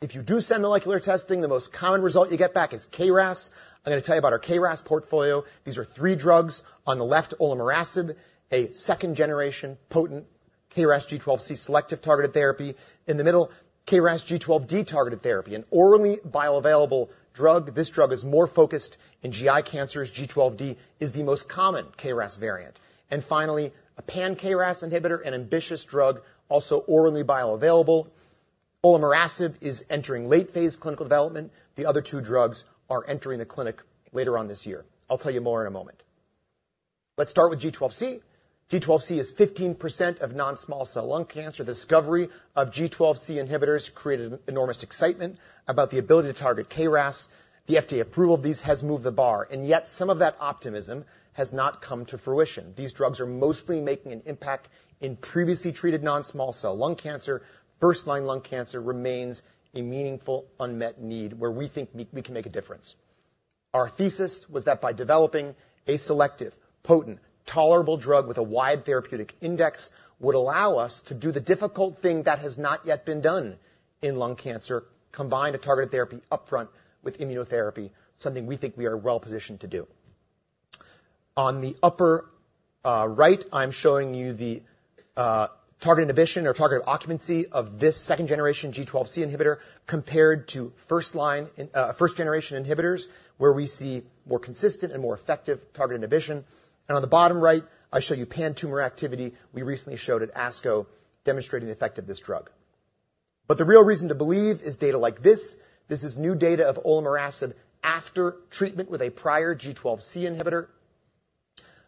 If you do send molecular testing, the most common result you get back is KRAS. I'm gonna tell you about our KRAS portfolio. These are three drugs on the left, olornarasib, a second-generation, potent KRAS G12C selective targeted therapy. In the middle, KRAS G12D targeted therapy, an orally bioavailable drug. This drug is more focused in GI cancers. G12D is the most common KRAS variant, and finally, a pan-KRAS inhibitor, an ambitious drug, also orally bioavailable. olornarasib is entering late-phase clinical development. The other two drugs are entering the clinic later on this year. I'll tell you more in a moment. Let's start with G12C. G12C is 15% of non-small cell lung cancer. The discovery of G12C inhibitors created enormous excitement about the ability to target KRAS. The FDA approval of these has moved the bar, and yet some of that optimism has not come to fruition. These drugs are mostly making an impact in previously treated non-small cell lung cancer. First-line lung cancer remains a meaningful, unmet need where we think we can make a difference. Our thesis was that by developing a selective, potent, tolerable drug with a wide therapeutic index, would allow us to do the difficult thing that has not yet been done in lung cancer, combine a targeted therapy upfront with immunotherapy, something we think we are well positioned to do. On the upper right, I'm showing you the target inhibition or target occupancy of this second-generation G12C inhibitor, compared to first-line first generation inhibitors, where we see more consistent and more effective target inhibition. And on the bottom right, I show you pan-tumor activity we recently showed at ASCO, demonstrating the effect of this drug. But the real reason to believe is data like this. This is new data of olornarasib after treatment with a prior G12C inhibitor.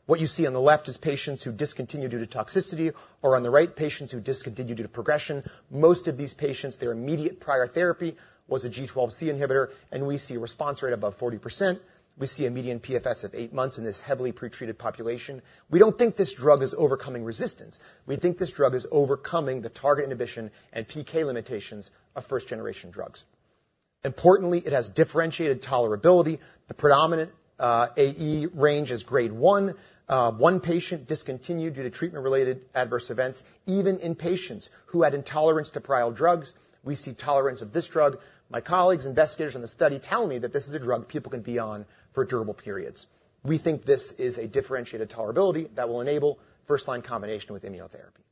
What you see on the left is patients who discontinue due to toxicity, or on the right, patients who discontinue due to progression. Most of these patients, their immediate prior therapy was a G12C inhibitor, and we see a response rate above 40%. We see a median PFS of eight months in this heavily pretreated population. We don't think this drug is overcoming resistance. We think this drug is overcoming the target inhibition and PK limitations of first-generation drugs. Importantly, it has differentiated tolerability. The predominant AE range is grade one. One patient discontinued due to treatment-related adverse events. Even in patients who had intolerance to prior drugs, we see tolerance of this drug. My colleagues, investigators in the study, tell me that this is a drug people can be on for durable periods. We think this is a differentiated tolerability that will enable first-line combination with immunotherapy.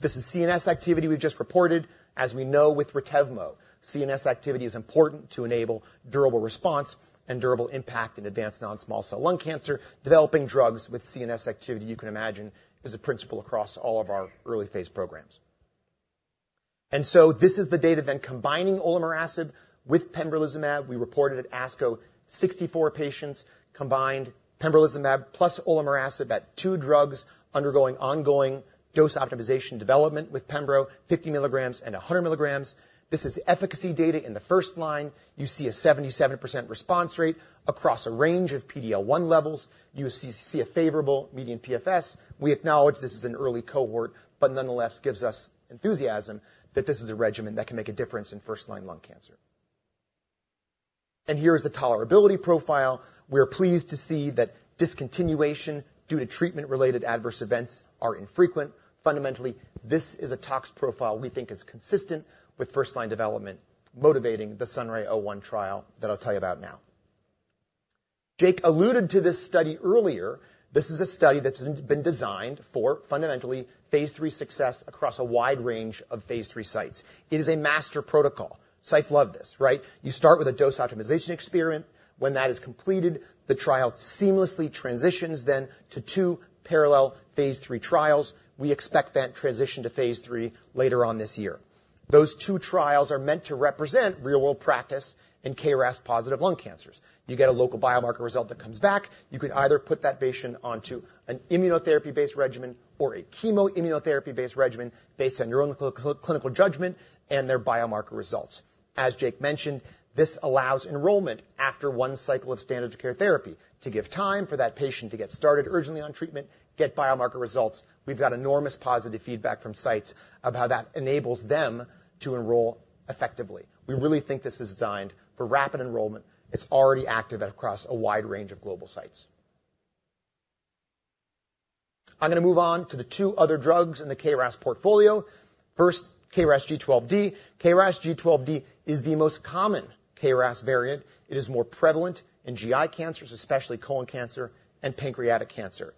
This is CNS activity we've just reported. As we know with Retevmo, CNS activity is important to enable durable response and durable impact in advanced non-small cell lung cancer. Developing drugs with CNS activity, you can imagine, is a principle across all of our early phase programs. And so this is the data then combining olornarasib with pembrolizumab. We reported at ASCO 64 patients combined pembrolizumab plus olornarasib of two drugs undergoing ongoing dose optimization development with pembro, 50 milligrams and 100 milligrams. This is efficacy data in the first line. You see a 77% response rate across a range of PD-L1 levels. You see a favorable median PFS. We acknowledge this is an early cohort, but nonetheless gives us enthusiasm that this is a regimen that can make a difference in first-line lung cancer. And here is the tolerability profile. We are pleased to see that discontinuation due to treatment-related adverse events are infrequent. Fundamentally, this is a tox profile we think is consistent with first-line development, motivating the SunRay-01 trial that I'll tell you about now. Jake alluded to this study earlier. This is a study that's been designed for, fundamentally, phase 3 success across a wide range of phase 3 sites. It is a master protocol. Sites love this, right? You start with a dose optimization experiment. When that is completed, the trial seamlessly transitions then to two parallel phase 3 trials. We expect that transition to phase 3 later on this year. Those two trials are meant to represent real-world practice in KRAS positive lung cancers. You get a local biomarker result that comes back, you can either put that patient onto an immunotherapy-based regimen or a chemo-immunotherapy-based regimen based on your own clinical judgment and their biomarker results. As Jake mentioned, this allows enrollment after one cycle of standard of care therapy to give time for that patient to get started urgently on treatment, get biomarker results. We've got enormous positive feedback from sites of how that enables them to enroll effectively. We really think this is designed for rapid enrollment. It's already active across a wide range of global sites. I'm gonna move on to the two other drugs in the KRAS portfolio. First, KRAS G12D. KRAS G12D is the most common KRAS variant. It is more prevalent in GI cancers, especially colon cancer and pancreatic cancer.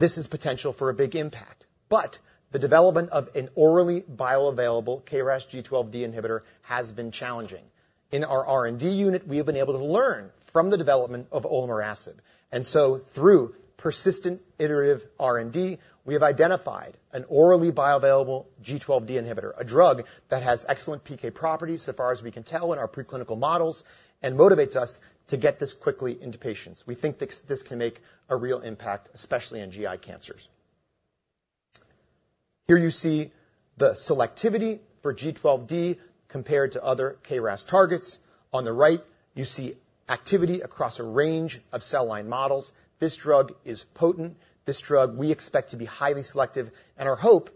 This is potential for a big impact, but the development of an orally bioavailable KRAS G12D inhibitor has been challenging. In our R&D unit, we have been able to learn from the development of olornarasib, and so through persistent iterative R&D, we have identified an orally bioavailable G12D inhibitor, a drug that has excellent PK properties, so far as we can tell in our preclinical models, and motivates us to get this quickly into patients. We think this, this can make a real impact, especially in GI cancers. Here you see the selectivity for G12D compared to other KRAS targets. On the right, you see activity across a range of cell line models. This drug is potent. This drug we expect to be highly selective, and our hope,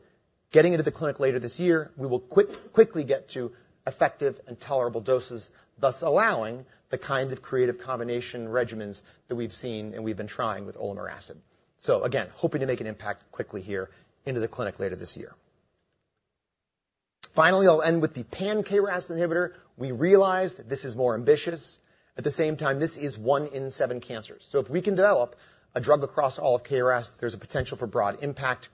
getting into the clinic later this year, we will quickly get to effective and tolerable doses, thus allowing the kind of creative combination regimens that we've seen and we've been trying with olornarasib. So again, hoping to make an impact quickly here into the clinic later this year. Finally, I'll end with the pan-KRAS inhibitor. We realize that this is more ambitious. At the same time, this is one in seven cancers, so if we can develop a drug across all of KRAS, there's a potential for broad impact.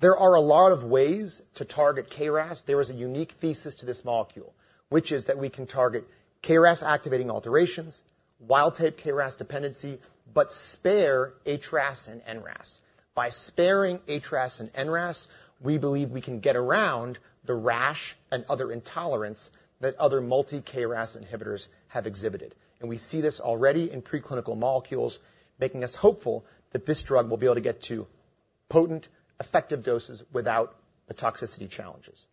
There are a lot of ways to target KRAS. There is a unique thesis to this molecule, which is that we can target KRAS activating alterations, wild-type KRAS dependency, but spare HRAS and NRAS. By sparing HRAS and NRAS, we believe we can get around the rash and other intolerance that other multi-KRAS inhibitors have exhibited. We see this already in preclinical molecules, making us hopeful that this drug will be able to get to potent, effective doses without the toxicity challenges.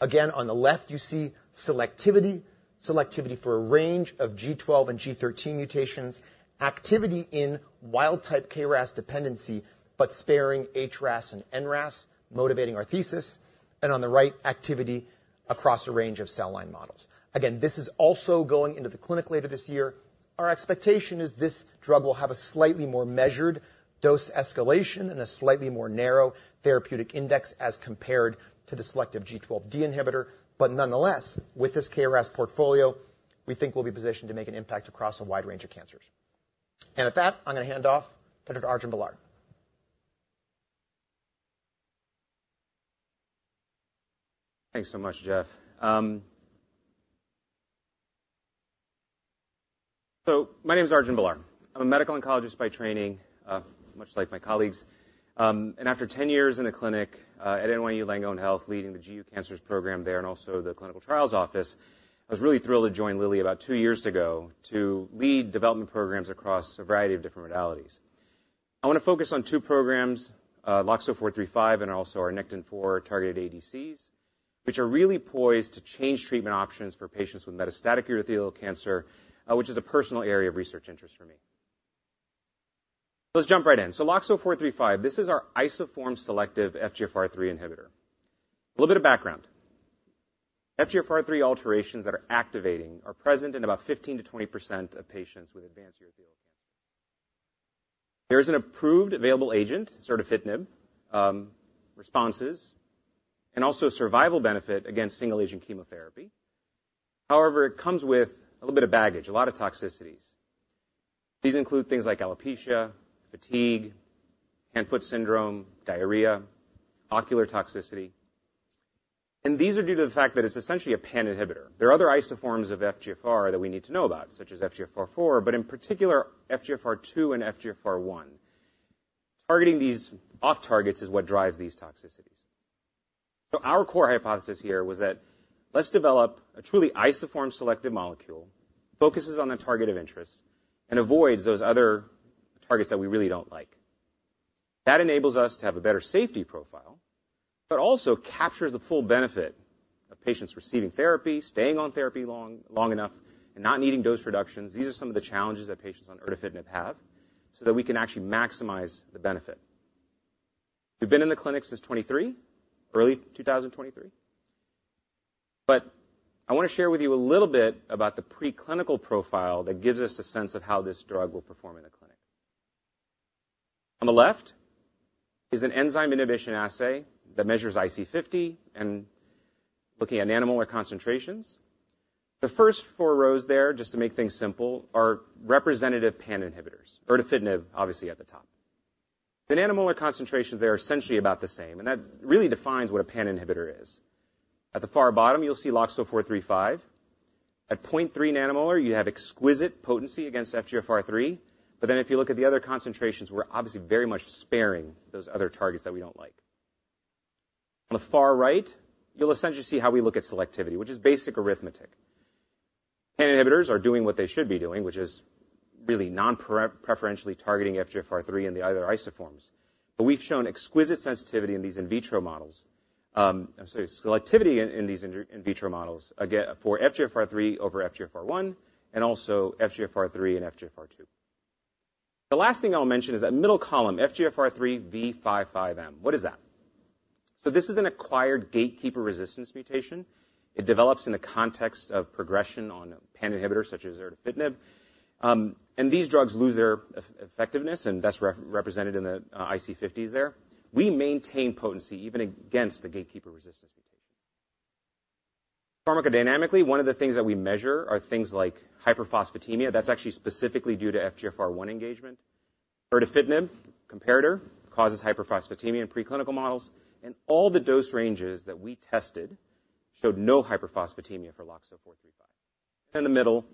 Again, on the left, you see selectivity, selectivity for a range of G12 and G13 mutations, activity in wild-type KRAS dependency, but sparing HRAS and NRAS, motivating our thesis, and on the right, activity across a range of cell line models. Again, this is also going into the clinic later this year. Our expectation is this drug will have a slightly more measured dose escalation and a slightly more narrow therapeutic index as compared to the selective G12D inhibitor. But nonetheless, with this KRAS portfolio, we think we'll be positioned to make an impact across a wide range of cancers. And at that, I'm going to hand off to Dr. Arjun Balar. Thanks so much, Jeff. So my name is Arjun Balar. I'm a medical oncologist by training, much like my colleagues. And after 10 years in the clinic at NYU Langone Health, leading the GU Cancers program there and also the clinical trials office, I was really thrilled to join Lilly about 2 years ago to lead development programs across a variety of different modalities. I wanna focus on two programs, LOXO-435, and also our Nectin-4 targeted ADCs, which are really poised to change treatment options for patients with metastatic urothelial cancer, which is a personal area of research interest for me.... Let's jump right in. So LOXO-435, this is our isoform selective FGFR3 inhibitor. A little bit of background. FGFR3 alterations that are activating are present in about 15%-20% of patients with advanced urothelial cancer. There is an approved available agent, erdafitinib, responses, and also survival benefit against single-agent chemotherapy. However, it comes with a little bit of baggage, a lot of toxicities. These include things like alopecia, fatigue, hand-foot syndrome, diarrhea, ocular toxicity, and these are due to the fact that it's essentially a pan inhibitor. There are other isoforms of FGFR that we need to know about, such as FGFR4, but in particular, FGFR2 and FGFR1. Targeting these off targets is what drives these toxicities. So our core hypothesis here was that let's develop a truly isoform-selective molecule, focuses on the target of interest, and avoids those other targets that we really don't like. That enables us to have a better safety profile, but also captures the full benefit of patients receiving therapy, staying on therapy long, long enough, and not needing dose reductions. These are some of the challenges that patients on erdafitinib have, so that we can actually maximize the benefit. We've been in the clinic since 2023, early 2023, but I want to share with you a little bit about the preclinical profile that gives us a sense of how this drug will perform in the clinic. On the left is an enzyme inhibition assay that measures IC50 and looking at nanomolar concentrations. The first four rows there, just to make things simple, are representative pan inhibitors, erdafitinib, obviously, at the top. The nanomolar concentrations, they are essentially about the same, and that really defines what a pan inhibitor is. At the far bottom, you'll see LOXO-435. At 0.3 nanomolar, you have exquisite potency against FGFR3, but then if you look at the other concentrations, we're obviously very much sparing those other targets that we don't like. On the far right, you'll essentially see how we look at selectivity, which is basic arithmetic. Pan inhibitors are doing what they should be doing, which is really nonpreferentially targeting FGFR3 and the other isoforms. But we've shown exquisite sensitivity in these in vitro models. Selectivity in these in vitro models, again, for FGFR3 over FGFR1, and also FGFR3 and FGFR2. The last thing I'll mention is that middle column, FGFR3 V55M. What is that? So this is an acquired gatekeeper resistance mutation. It develops in the context of progression on pan inhibitors, such as erdafitinib. And these drugs lose their effectiveness, and that's represented in the IC50s there. We maintain potency, even against the gatekeeper resistance mutation. Pharmacodynamically, one of the things that we measure are things like hyperphosphatemia. That's actually specifically due to FGFR1 engagement. erdafitinib, comparator, causes hyperphosphatemia in preclinical models, and all the dose ranges that we tested showed no hyperphosphatemia for LOXO-435. In the middle,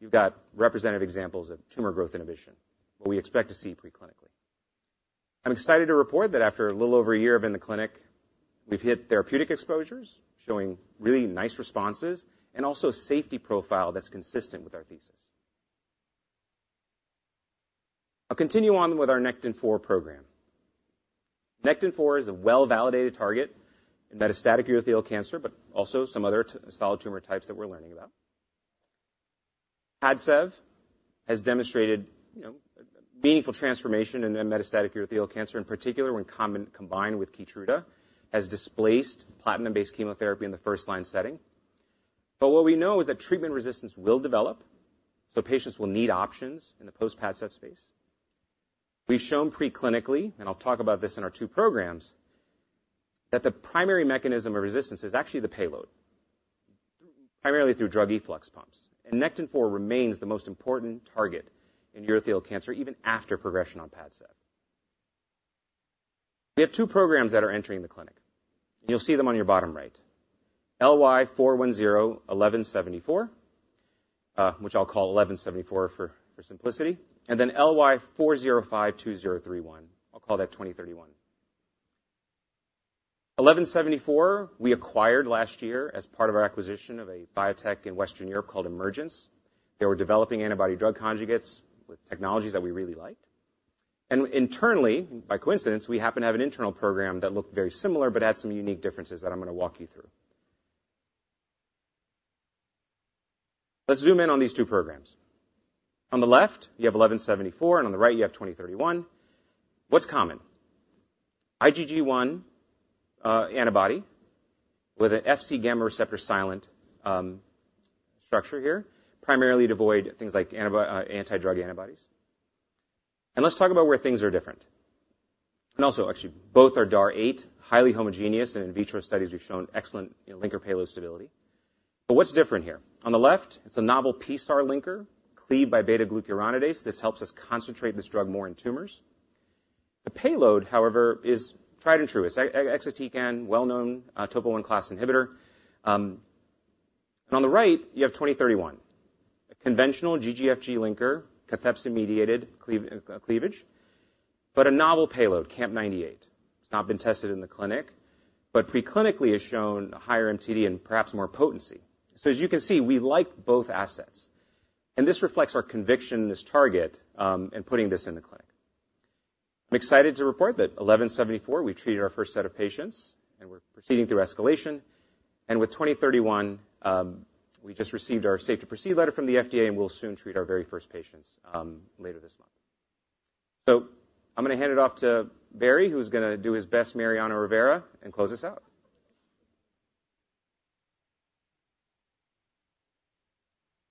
you've got representative examples of tumor growth inhibition, what we expect to see preclinically. I'm excited to report that after a little over a year of in the clinic, we've hit therapeutic exposures, showing really nice responses and also a safety profile that's consistent with our thesis. I'll continue on with our Nectin-4 program. Nectin-4 is a well-validated target in metastatic urothelial cancer, but also some other solid tumor types that we're learning about. Padcev has demonstrated, you know, meaningful transformation in the metastatic urothelial cancer, in particular, when combined with Keytruda, has displaced platinum-based chemotherapy in the first line setting. But what we know is that treatment resistance will develop, so patients will need options in the post-Padcev space. We've shown preclinically, and I'll talk about this in our two programs, that the primary mechanism of resistance is actually the payload, primarily through drug efflux pumps. And Nectin-4 remains the most important target in urothelial cancer, even after progression on Padcev. We have two programs that are entering the clinic. You'll see them on your bottom right. LY4101174, which I'll call 1174 for simplicity, and then LY4052031. I'll call that 2031. 1174, we acquired last year as part of our acquisition of a biotech in Western Europe called Emergence. They were developing antibody-drug conjugates with technologies that we really liked. And internally, by coincidence, we happen to have an internal program that looked very similar, but had some unique differences that I'm gonna walk you through. Let's zoom in on these two programs. On the left, you have 1174, and on the right, you have 2031. What's common? IgG1 antibody with an Fc gamma receptor silent structure here, primarily to avoid things like anti-drug antibodies. And let's talk about where things are different. And also, actually, both are DAR 8, highly homogeneous, and in vitro studies we've shown excellent, you know, linker payload stability. But what's different here? On the left, it's a novel PSar linker, cleaved by beta-glucuronidase. This helps us concentrate this drug more in tumors. The payload, however, is tried and true. It's exatecan, well-known, Topo I class inhibitor. And on the right, you have 2031, a conventional GGFG linker, cathepsin-mediated cleavage, but a novel payload, Camp-98. It's not been tested in the clinic, but preclinically has shown higher MTD and perhaps more potency. So as you can see, we like both assets, and this reflects our conviction in this target, in putting this in the clinic. I'm excited to report that 1174, we treated our first set of patients, and we're proceeding through escalation. And with 2031, we just received our safe to proceed letter from the FDA, and we'll soon treat our very first patients, later this month. So I'm gonna hand it off to Barry, who's gonna do his best, Mariano Rivera, and close us out.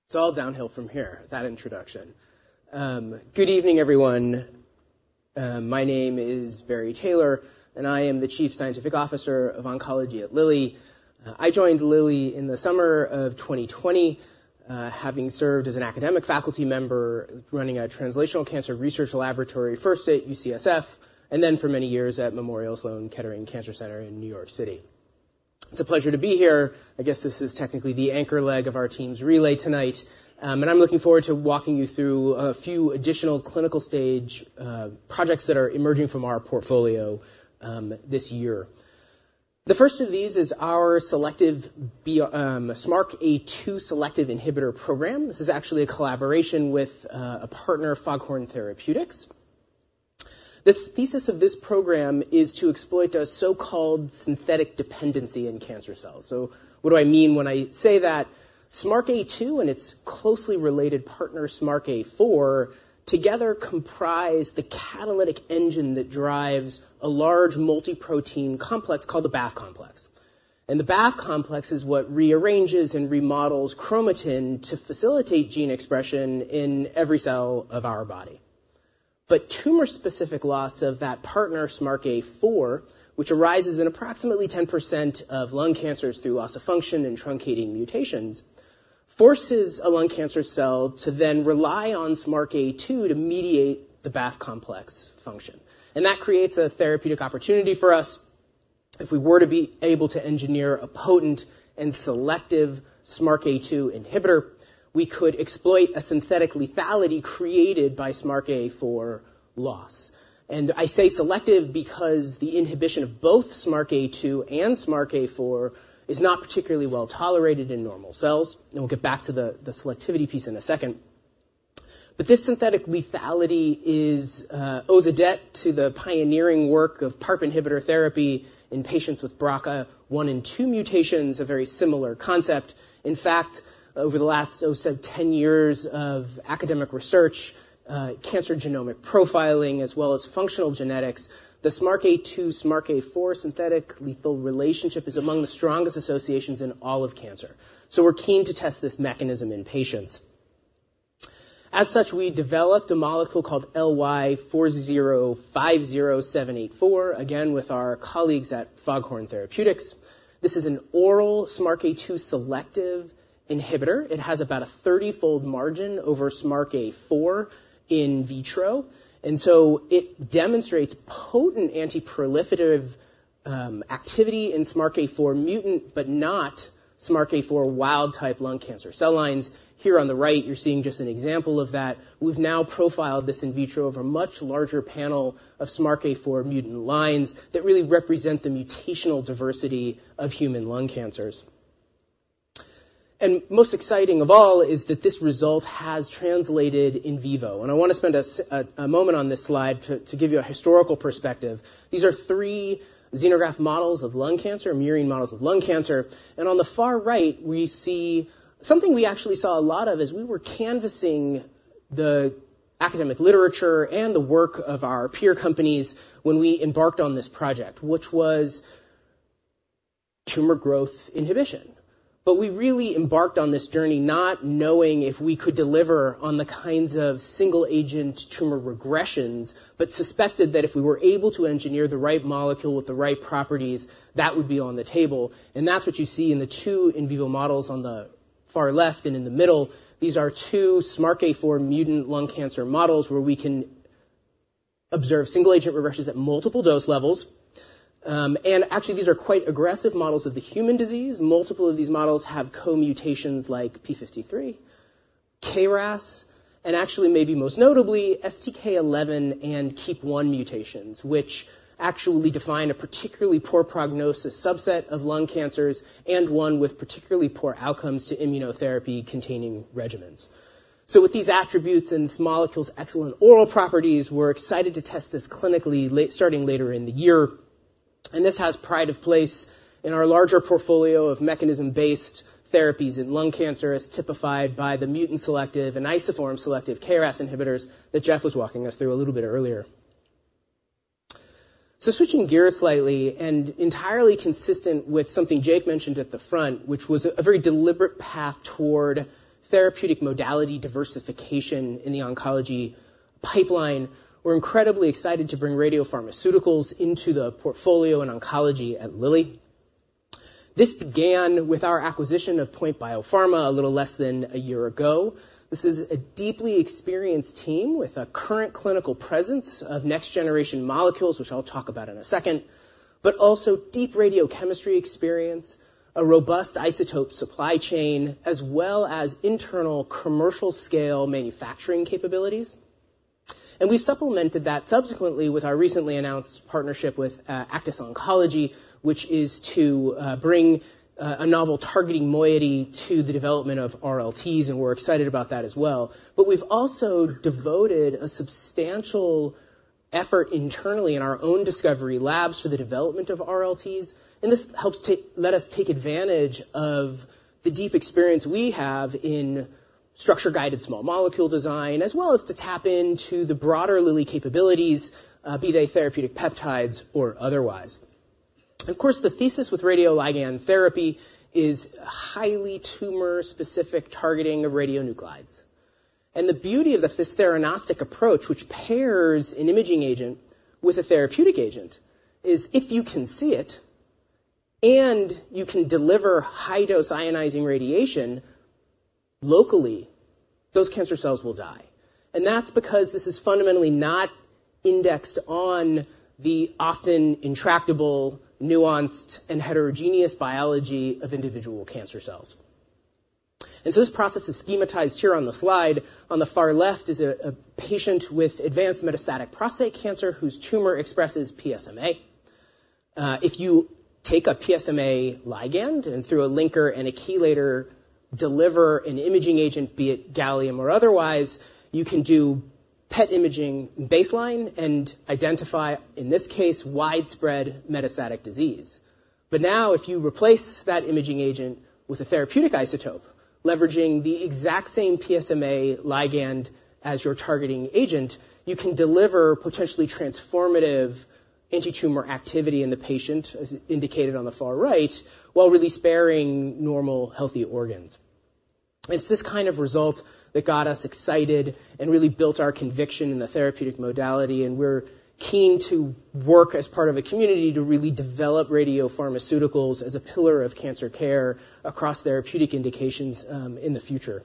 It's all downhill from here, that introduction. Good evening, everyone. My name is Barry Taylor, and I am the Chief Scientific Officer of Oncology at Lilly. I joined Lilly in the summer of 2020, having served as an academic faculty member running a translational cancer research laboratory, first at UCSF, and then for many years at Memorial Sloan Kettering Cancer Center in New York City. It's a pleasure to be here. I guess this is technically the anchor leg of our team's relay tonight, and I'm looking forward to walking you through a few additional clinical stage projects that are emerging from our portfolio this year. The first of these is our selective B and SMARCA2 selective inhibitor program. This is actually a collaboration with a partner, Foghorn Therapeutics. The thesis of this program is to exploit a so-called synthetic dependency in cancer cells. So what do I mean when I say that? SMARCA2 and its closely related partner, SMARCA4, together comprise the catalytic engine that drives a large multi-protein complex called the BAF complex. And the BAF complex is what rearranges and remodels chromatin to facilitate gene expression in every cell of our body. But tumor-specific loss of that partner, SMARCA4, which arises in approximately 10% of lung cancers through loss of function and truncating mutations, forces a lung cancer cell to then rely on SMARCA2 to mediate the BAF complex function, and that creates a therapeutic opportunity for us. If we were to be able to engineer a potent and selective SMARCA2 inhibitor, we could exploit a synthetic lethality created by SMARCA4 loss. I say selective because the inhibition of both SMARCA2 and SMARCA4 is not particularly well-tolerated in normal cells, and we'll get back to the selectivity piece in a second. But this synthetic lethality owes a debt to the pioneering work of PARP inhibitor therapy in patients with BRCA 1 and 2 mutations, a very similar concept. In fact, over the last, oh, say 10 years of academic research, cancer genomic profiling, as well as functional genetics, the SMARCA2, SMARCA4 synthetic lethal relationship is among the strongest associations in all of cancer. So we're keen to test this mechanism in patients. As such, we developed a molecule called LY4050784, again, with our colleagues at Foghorn Therapeutics. This is an oral SMARCA2 selective inhibitor. It has about a 30-fold margin over SMARCA4 in vitro, and so it demonstrates potent antiproliferative activity in SMARCA4 mutant, but not SMARCA4 wild-type lung cancer cell lines. Here on the right, you're seeing just an example of that. We've now profiled this in vitro over a much larger panel of SMARCA4 mutant lines that really represent the mutational diversity of human lung cancers. And most exciting of all is that this result has translated in vivo, and I wanna spend a moment on this slide to give you a historical perspective. These are three xenograft models of lung cancer, murine models of lung cancer, and on the far right, we see something we actually saw a lot of as we were canvassing the academic literature and the work of our peer companies when we embarked on this project, which was tumor growth inhibition. But we really embarked on this journey not knowing if we could deliver on the kinds of single-agent tumor regressions, but suspected that if we were able to engineer the right molecule with the right properties, that would be on the table, and that's what you see in the two in vivo models on the far left and in the middle. These are two SMARCA4 mutant lung cancer models, where we can observe single-agent regressions at multiple dose levels. And actually, these are quite aggressive models of the human disease. Multiple of these models have co-mutations like p53, KRAS, and actually, maybe most notably, STK11 and KEAP1 mutations, which actually define a particularly poor prognosis subset of lung cancers and one with particularly poor outcomes to immunotherapy-containing regimens. So with these attributes and this molecule's excellent oral properties, we're excited to test this clinically late-stage starting later in the year, and this has pride of place in our larger portfolio of mechanism-based therapies in lung cancer, as typified by the mutant selective and isoform selective KRAS inhibitors that Jeff was walking us through a little bit earlier. Switching gears slightly and entirely consistent with something Jake mentioned at the front, which was a very deliberate path toward therapeutic modality diversification in the oncology pipeline, we're incredibly excited to bring radiopharmaceuticals into the portfolio in oncology at Lilly. This began with our acquisition of POINT Biopharma a little less than a year ago. This is a deeply experienced team with a current clinical presence of next-generation molecules, which I'll talk about in a second, but also deep radiochemistry experience, a robust isotope supply chain, as well as internal commercial-scale manufacturing capabilities. We've supplemented that subsequently with our recently announced partnership with Aktis Oncology, which is to bring a novel targeting moiety to the development of RLTs, and we're excited about that as well. But we've also devoted a substantial effort internally in our own discovery labs for the development of RLTs, and this helps let us take advantage of the deep experience we have in structure-guided small molecule design, as well as to tap into the broader Lilly capabilities, be they therapeutic peptides or otherwise. Of course, the thesis with radioligand therapy is highly tumor-specific targeting of radionuclides. The beauty of this theranostic approach, which pairs an imaging agent with a therapeutic agent, is if you can see it and you can deliver high-dose ionizing radiation locally, those cancer cells will die. That's because this is fundamentally not indexed on the often intractable, nuanced, and heterogeneous biology of individual cancer cells. So this process is schematized here on the slide. On the far left is a patient with advanced metastatic prostate cancer, whose tumor expresses PSMA. If you take a PSMA ligand, and through a linker and a chelator, deliver an imaging agent, be it gallium or otherwise, you can do PET imaging baseline and identify, in this case, widespread metastatic disease. But now, if you replace that imaging agent with a therapeutic isotope, leveraging the exact same PSMA ligand as your targeting agent, you can deliver potentially transformative anti-tumor activity in the patient, as indicated on the far right, while really sparing normal, healthy organs. It's this kind of result that got us excited and really built our conviction in the therapeutic modality, and we're keen to work as part of a community to really develop radiopharmaceuticals as a pillar of cancer care across therapeutic indications, in the future.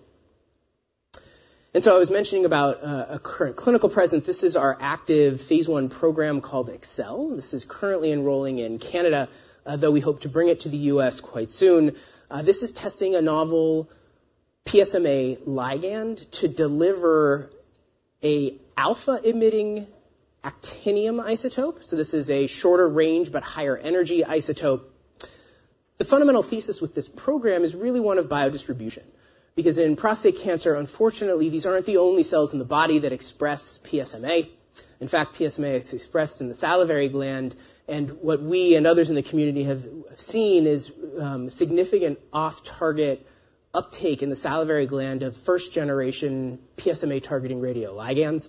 And so I was mentioning about, a current clinical presence. This is our active phase I program called AcCel. This is currently enrolling in Canada, though we hope to bring it to the US quite soon. This is testing a novel PSMA ligand to deliver an alpha-emitting actinium isotope, so this is a shorter range but higher energy isotope. The fundamental thesis with this program is really one of biodistribution, because in prostate cancer, unfortunately, these aren't the only cells in the body that express PSMA. In fact, PSMA is expressed in the salivary gland, and what we and others in the community have seen is significant off-target uptake in the salivary gland of first-generation PSMA-targeting radioligands.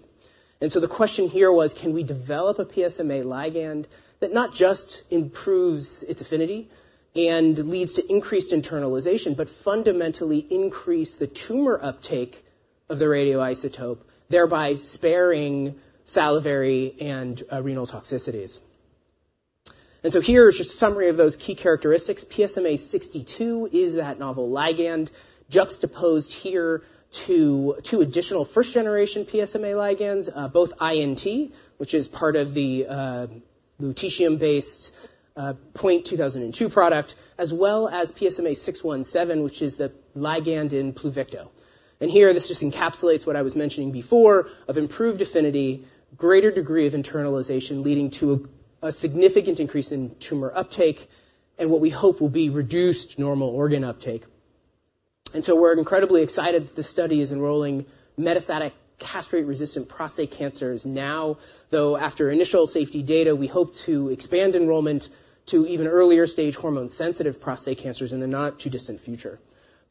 And so the question here was, can we develop a PSMA ligand that not just improves its affinity and leads to increased internalization, but fundamentally increase the tumor uptake of the radioisotope, thereby sparing salivary and renal toxicities? And so here is just a summary of those key characteristics. PSMA-62 is that novel ligand, juxtaposed here to two additional first-generation PSMA ligands, both I&T, which is part of the lutetium-based PNT2002 product, as well as PSMA-617, which is the ligand in Pluvicto. And here, this just encapsulates what I was mentioning before of improved affinity, greater degree of internalization, leading to a significant increase in tumor uptake and what we hope will be reduced normal organ uptake. And so we're incredibly excited that this study is enrolling metastatic, castrate-resistant prostate cancers now, though, after initial safety data, we hope to expand enrollment to even earlier-stage hormone-sensitive prostate cancers in the not-too-distant future.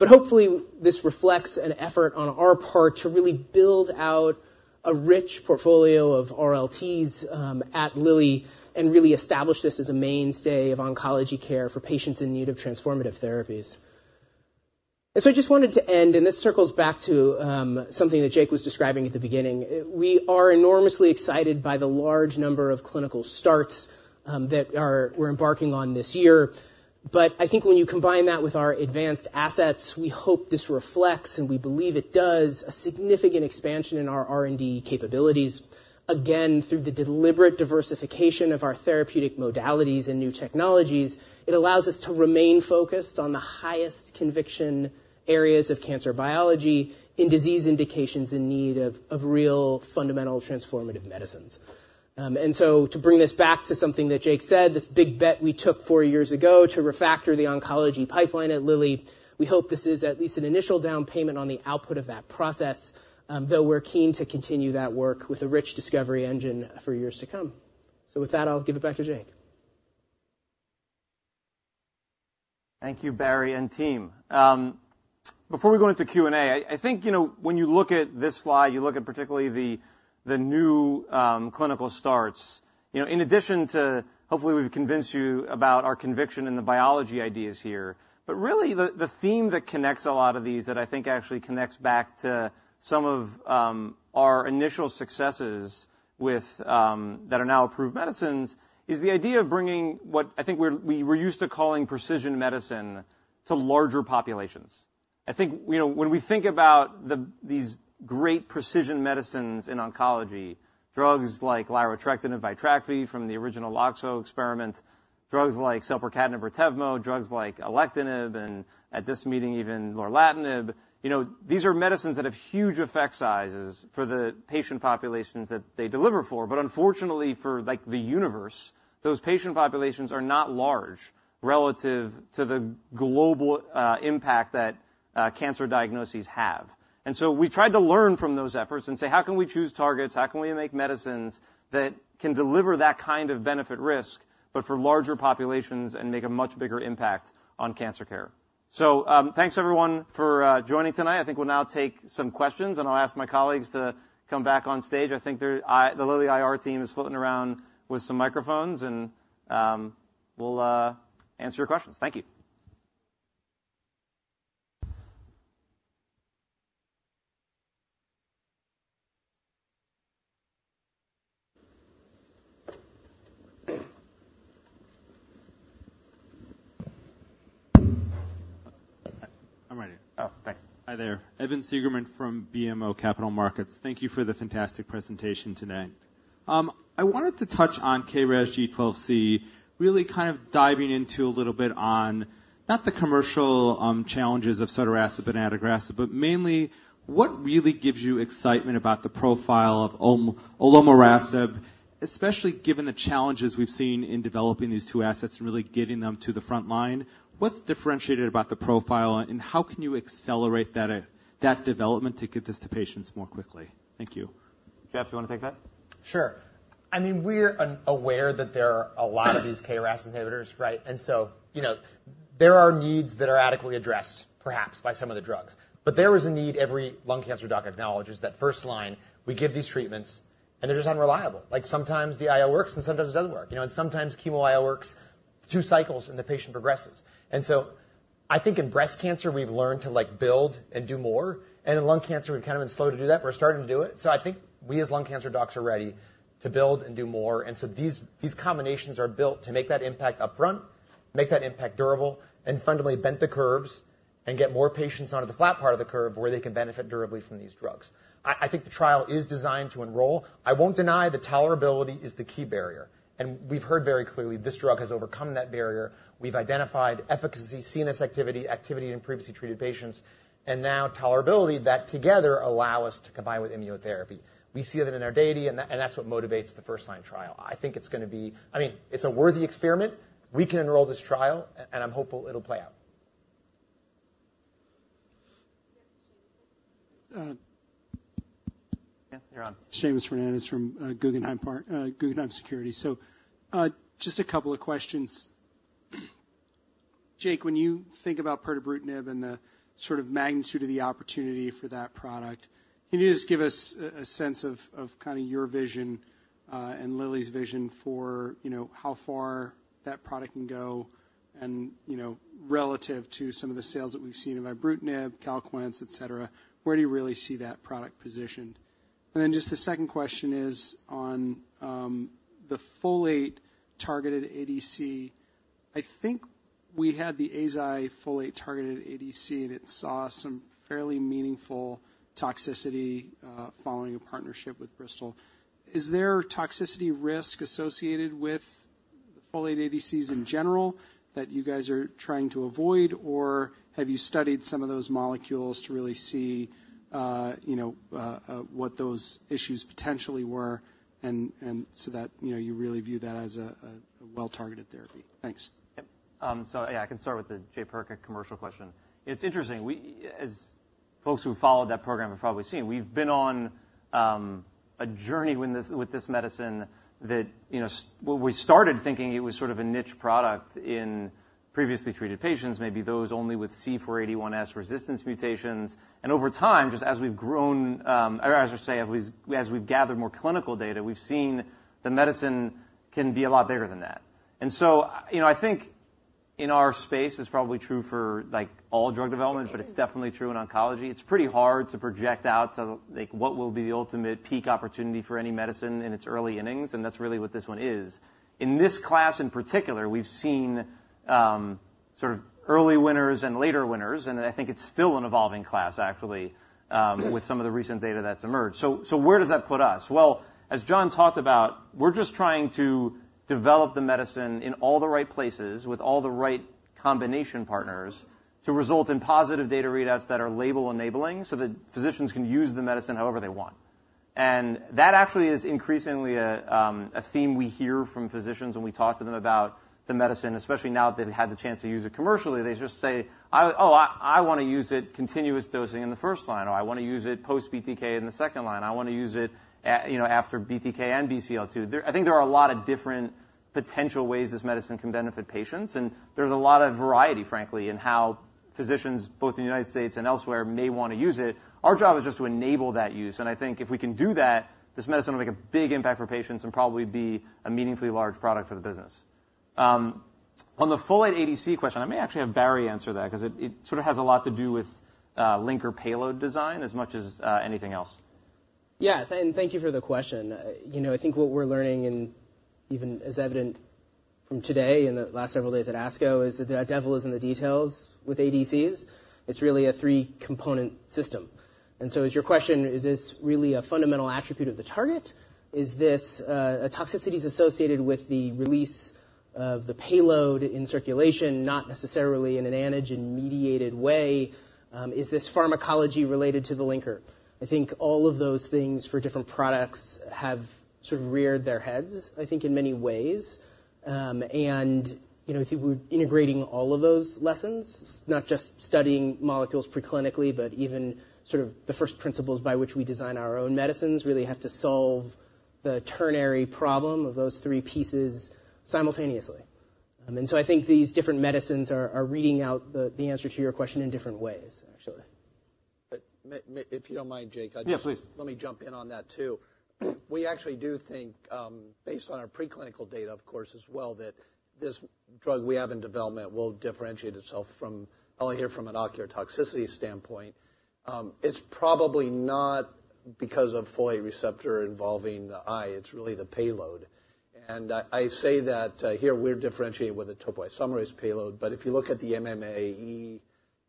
Hopefully, this reflects an effort on our part to really build out a rich portfolio of RLTs at Lilly and really establish this as a mainstay of oncology care for patients in need of transformative therapies. And so I just wanted to end, and this circles back to something that Jake was describing at the beginning. We are enormously excited by the large number of clinical starts that we're embarking on this year. But I think when you combine that with our advanced assets, we hope this reflects, and we believe it does, a significant expansion in our R&D capabilities. Again, through the deliberate diversification of our therapeutic modalities and new technologies, it allows us to remain focused on the highest conviction areas of cancer biology in disease indications in need of real, fundamental, transformative medicines. And so to bring this back to something that Jake said, this big bet we took four years ago to refactor the oncology pipeline at Lilly, we hope this is at least an initial down payment on the output of that process, though we're keen to continue that work with a rich discovery engine for years to come. So with that, I'll give it back to Jake. Thank you, Barry and team. Before we go into Q&A, I think, you know, when you look at this slide, you look at particularly the new clinical starts. You know, in addition to... Hopefully, we've convinced you about our conviction in the biology ideas here, but really, the theme that connects a lot of these, that I think actually connects back to some of our initial successes with that are now approved medicines, is the idea of bringing what I think we're-- we were used to calling precision medicine to larger populations. I think, you know, when we think about these great precision medicines in oncology, drugs like larotrectinib Vitrakvi from the original Loxo experiment, drugs like selpercatinib or Tagrisso, drugs like alectinib, and at this meeting, even lorlatinib, you know, these are medicines that have huge effect sizes for the patient populations that they deliver for. But unfortunately, like, for the universe, those patient populations are not large relative to the global impact that cancer diagnoses have. And so we tried to learn from those efforts and say: How can we choose targets? How can we make medicines that can deliver that kind of benefit risk, but for larger populations and make a much bigger impact on cancer care? So, thanks, everyone, for joining tonight. I think we'll now take some questions, and I'll ask my colleagues to come back on stage. I think they're the Lilly IR team is floating around with some microphones, and we'll answer your questions. Thank you. ... I'm ready. Oh, thanks. Hi there, Evan Seigerman from BMO Capital Markets. Thank you for the fantastic presentation today. I wanted to touch on KRAS G12C, really kind of diving into a little bit on, not the commercial challenges of sotorasib and adagrasib, but mainly what really gives you excitement about the profile of olornarasib, especially given the challenges we've seen in developing these two assets and really getting them to the front line. What's differentiated about the profile, and how can you accelerate that development to get this to patients more quickly? Thank you. Jeff, do you wanna take that? Sure. I mean, we're unaware that there are a lot of these KRAS inhibitors, right? And so, you know, there are needs that are adequately addressed perhaps by some of the drugs. But there is a need every lung cancer doc acknowledges that first line, we give these treatments, and they're just unreliable. Like, sometimes the IO works, and sometimes it doesn't work. You know, and sometimes chemo IO works two cycles, and the patient progresses. And so I think in breast cancer, we've learned to, like, build and do more, and in lung cancer, we've kind of been slow to do that, but we're starting to do it. So I think we, as lung cancer docs, are ready to build and do more, and so these, these combinations are built to make that impact upfront, make that impact durable, and fundamentally bent the curves, and get more patients onto the flat part of the curve where they can benefit durably from these drugs. I, I think the trial is designed to enroll. I won't deny that tolerability is the key barrier, and we've heard very clearly this drug has overcome that barrier. We've identified efficacy, CNS activity, activity in previously treated patients, and now tolerability, that together allow us to combine with immunotherapy. We see that in our data, and that, and that's what motivates the first-line trial. I think it's gonna be... I mean, it's a worthy experiment. We can enroll this trial, and I'm hopeful it'll play out. Yeah, you're on. Seamus Fernandez from Guggenheim Securities. So, just a couple of questions. Jake, when you think about pirtobrutinib and the sort of magnitude of the opportunity for that product, can you just give us a sense of kinda your vision, and Lilly's vision for, you know, how far that product can go? And, you know, relative to some of the sales that we've seen of ibrutinib, Calquence, et cetera, where do you really see that product positioned? And then just the second question is on the folate-targeted ADC. I think we had the Eisai folate-targeted ADC, and it saw some fairly meaningful toxicity following a partnership with Bristol. Is there toxicity risk associated with folate ADCs in general that you guys are trying to avoid, or have you studied some of those molecules to really see, you know, what those issues potentially were and so that, you know, you really view that as a well-targeted therapy? Thanks. Yep. So yeah, I can start with the Jaypirca commercial question. It's interesting, we as folks who followed that program have probably seen, we've been on a journey with this, with this medicine that, you know, well, we started thinking it was sort of a niche product in previously treated patients, maybe those only with C481S resistance mutations. And over time, just as we've grown, or I should say, as we've gathered more clinical data, we've seen the medicine can be a lot bigger than that. And so, you know, I think in our space, it's probably true for, like, all drug development, but it's definitely true in oncology. It's pretty hard to project out to, like, what will be the ultimate peak opportunity for any medicine in its early innings, and that's really what this one is. In this class, in particular, we've seen sort of early winners and later winners, and I think it's still an evolving class, actually, with some of the recent data that's emerged. So where does that put us? Well, as John talked about, we're just trying to develop the medicine in all the right places, with all the right combination partners, to result in positive data readouts that are label-enabling so that physicians can use the medicine however they want. And that actually is increasingly a theme we hear from physicians when we talk to them about the medicine, especially now that they've had the chance to use it commercially. They just say, "I... Oh, I, I wanna use it continuous dosing in the first line," or, "I wanna use it post-BTK in the second line. I wanna use it, you know, after BTK and BCL-2." I think there are a lot of different potential ways this medicine can benefit patients, and there's a lot of variety, frankly, in how physicians, both in the United States and elsewhere, may wanna use it. Our job is just to enable that use, and I think if we can do that, this medicine will make a big impact for patients and probably be a meaningfully large product for the business. On the folate ADC question, I may actually have Barry answer that 'cause it sort of has a lot to do with linker payload design as much as anything else. Yeah, thank, thank you for the question. You know, I think what we're learning, and even as evident from today and the last several days at ASCO, is that the devil is in the details with ADCs. It's really a three-component system. And so is your question, is this really a fundamental attribute of the target? Is this a toxicities associated with the release of the payload in circulation, not necessarily in an antigen-mediated way? Is this pharmacology related to the linker? I think all of those things for different products have sort of reared their heads, I think, in many ways. You know, I think we're integrating all of those lessons, not just studying molecules preclinically, but even sort of the first principles by which we design our own medicines, really have to solve the ternary problem of those three pieces simultaneously. I think these different medicines are reading out the answer to your question in different ways, actually. But if you don't mind, Jake, I- Yeah, please. Let me jump in on that, too. We actually do think, based on our preclinical data, of course, as well, that this drug we have in development will differentiate itself from... Well, here from an ocular toxicity standpoint, it's probably not-... because of folate receptor involving the eye, it's really the payload. And I say that, here we're differentiating with the topoisomerase payload, but if you look at the MMAE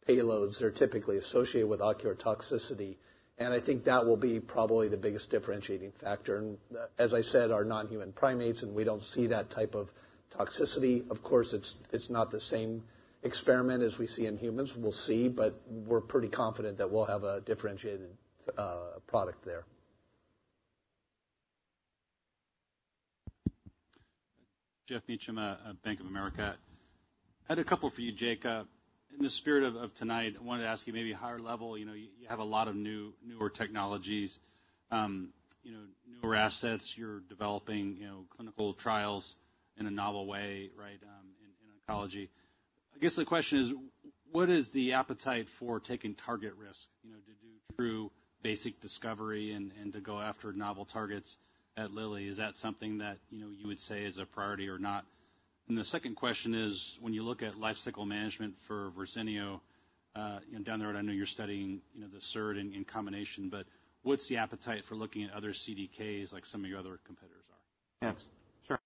payloads, they're typically associated with ocular toxicity, and I think that will be probably the biggest differentiating factor. And as I said, our non-human primates, and we don't see that type of toxicity. Of course, it's not the same experiment as we see in humans. We'll see, but we're pretty confident that we'll have a differentiated product there. Geoff Meacham at Bank of America. I had a couple for you, Jake. In the spirit of tonight, I wanted to ask you maybe a higher level. You know, you have a lot of newer technologies, you know, newer assets. You're developing, you know, clinical trials in a novel way, right? In oncology. I guess the question is: what is the appetite for taking target risk, you know, to do true basic discovery and to go after novel targets at Lilly? Is that something that, you know, you would say is a priority or not? And the second question is, when you look at lifecycle management for Verzenio, you know, down the road, I know you're studying the SERD in combination, but what's the appetite for looking at other CDKs like some of your other competitors are? Yes, sure.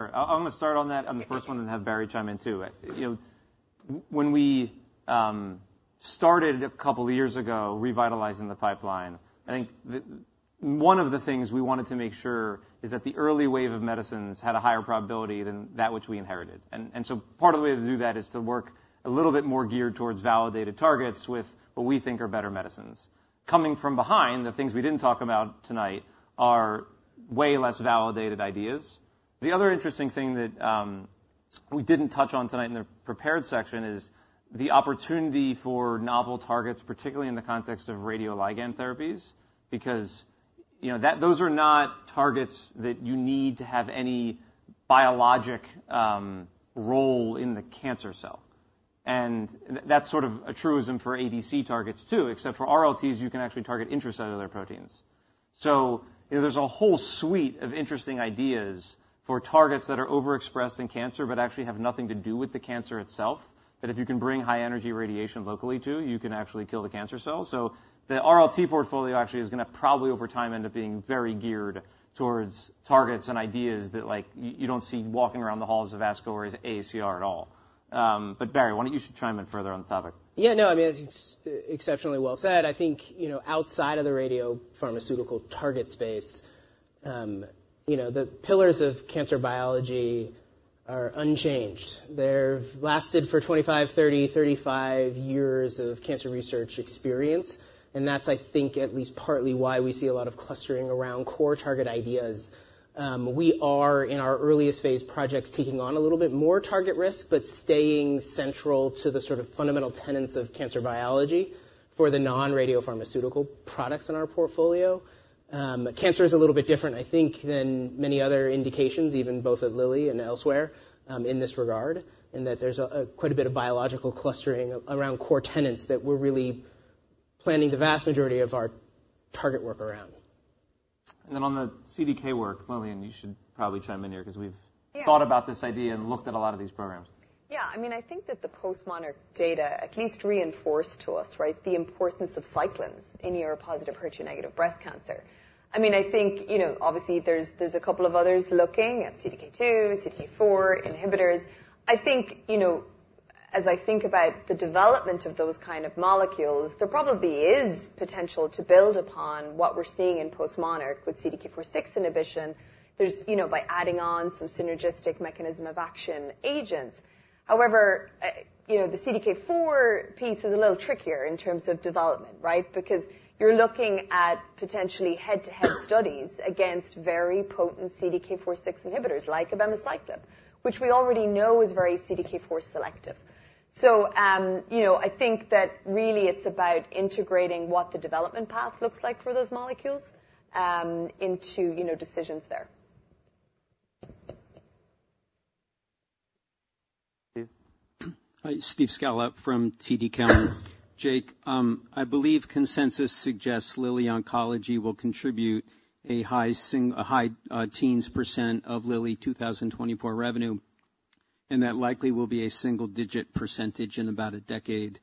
I'm gonna start on that on the first one and have Barry chime in, too. You know, when we started a couple of years ago, revitalizing the pipeline, I think the... One of the things we wanted to make sure is that the early wave of medicines had a higher probability than that which we inherited. And so part of the way to do that is to work a little bit more geared towards validated targets with what we think are better medicines. Coming from behind, the things we didn't talk about tonight are way less validated ideas. The other interesting thing that we didn't touch on tonight in the prepared section is the opportunity for novel targets, particularly in the context of radioligand therapies, because, you know, those are not targets that you need to have any biologic role in the cancer cell. And that's sort of a truism for ADC targets, too, except for RLTs, you can actually target intracellular proteins. So, you know, there's a whole suite of interesting ideas for targets that are overexpressed in cancer, but actually have nothing to do with the cancer itself, that if you can bring high energy radiation locally, too, you can actually kill the cancer cell. So the RLT portfolio actually is going to probably, over time, end up being very geared towards targets and ideas that, like, you don't see walking around the halls of ASCO or AACR at all. But, Barry, why don't you chime in further on the topic? Yeah, no, I mean, as exceptionally well said, I think, you know, outside of the radiopharmaceutical target space, you know, the pillars of cancer biology are unchanged. They've lasted for 25, 30, 35 years of cancer research experience, and that's, I think, at least partly why we see a lot of clustering around core target ideas. We are, in our earliest phase projects, taking on a little bit more target risk, but staying central to the sort of fundamental tenets of cancer biology for the non-radiopharmaceutical products in our portfolio. Cancer is a little bit different, I think, than many other indications, even both at Lilly and elsewhere, in this regard, in that there's a, quite a bit of biological clustering around core tenets that we're really planning the vast majority of our target work around. And then on the CDK work, Lillian, you should probably chime in here because we've- Yeah. Thought about this idea and looked at a lot of these programs. Yeah. I mean, I think that the postMONARCH data at least reinforced to us, right, the importance of cyclins in ER-positive, HER2-negative breast cancer. I mean, I think, you know, obviously there's a couple of others looking at CDK2, CDK4 inhibitors. I think, you know, as I think about the development of those kind of molecules, there probably is potential to build upon what we're seeing in postMONARCH with CDK4/6 inhibition. There's, you know, by adding on some synergistic mechanism of action agents. However, you know, the CDK4 piece is a little trickier in terms of development, right? Because you're looking at potentially head-to-head studies against very potent CDK4/6 inhibitors, like abemaciclib, which we already know is very CDK4 selective. So, you know, I think that really it's about integrating what the development path looks like for those molecules, into, you know, decisions there. Yeah. Hi, Steve Scala from TD Cowen. Jake, I believe consensus suggests Lilly Oncology will contribute a high teens % of Lilly 2024 revenue, and that likely will be a single-digit % in about a decade,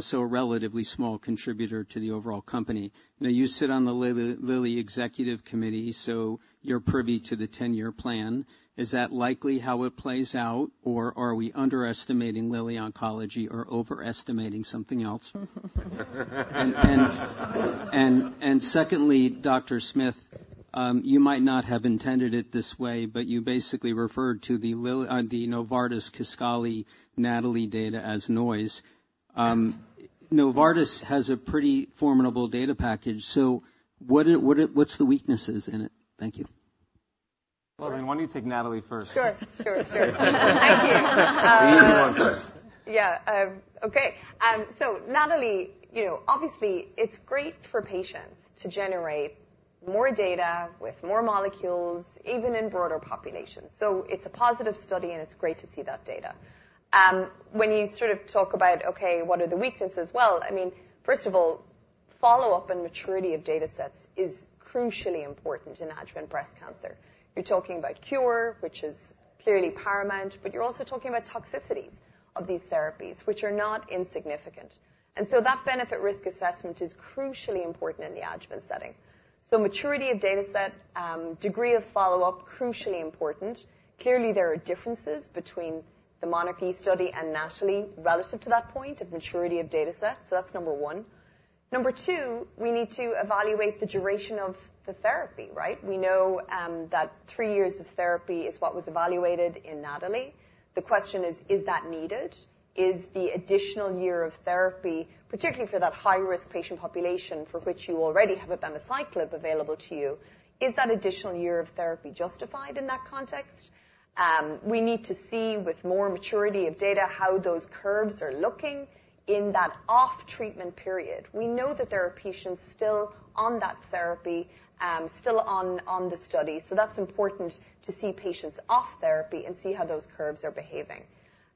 so a relatively small contributor to the overall company. Now, you sit on the Lilly Executive Committee, so you're privy to the 10-year plan. Is that likely how it plays out, or are we underestimating Lilly Oncology or overestimating something else? Secondly, Dr. Smith, you might not have intended it this way, but you basically referred to the Novartis Kisqali/NATALEE data as noise. Novartis has a pretty formidable data package, so what are the weaknesses in it? Thank you. Well, then why don't you take NATALEE first? Sure, sure, sure. Thank you. The easy one first. Yeah, okay. So NATALEE, you know, obviously, it's great for patients to generate more data with more molecules, even in broader populations, so it's a positive study, and it's great to see that data. When you sort of talk about, okay, what are the weaknesses? Well, I mean, first of all, follow-up and maturity of datasets is crucially important in adjuvant breast cancer. You're talking about cure, which is clearly paramount, but you're also talking about toxicities.... of these therapies, which are not insignificant. So that benefit-risk assessment is crucially important in the adjuvant setting. So maturity of dataset, degree of follow-up, crucially important. Clearly, there are differences between the monarchE study and NATALEE relative to that point of maturity of dataset, so that's number 1. Number 2, we need to evaluate the duration of the therapy, right? We know, that 3 years of therapy is what was evaluated in NATALEE. The question is, is that needed? Is the additional year of therapy, particularly for that high-risk patient population for which you already have a palbociclib available to you, is that additional year of therapy justified in that context? We need to see, with more maturity of data, how those curves are looking in that off-treatment period. We know that there are patients still on that therapy, still on the study, so that's important to see patients off therapy and see how those curves are behaving.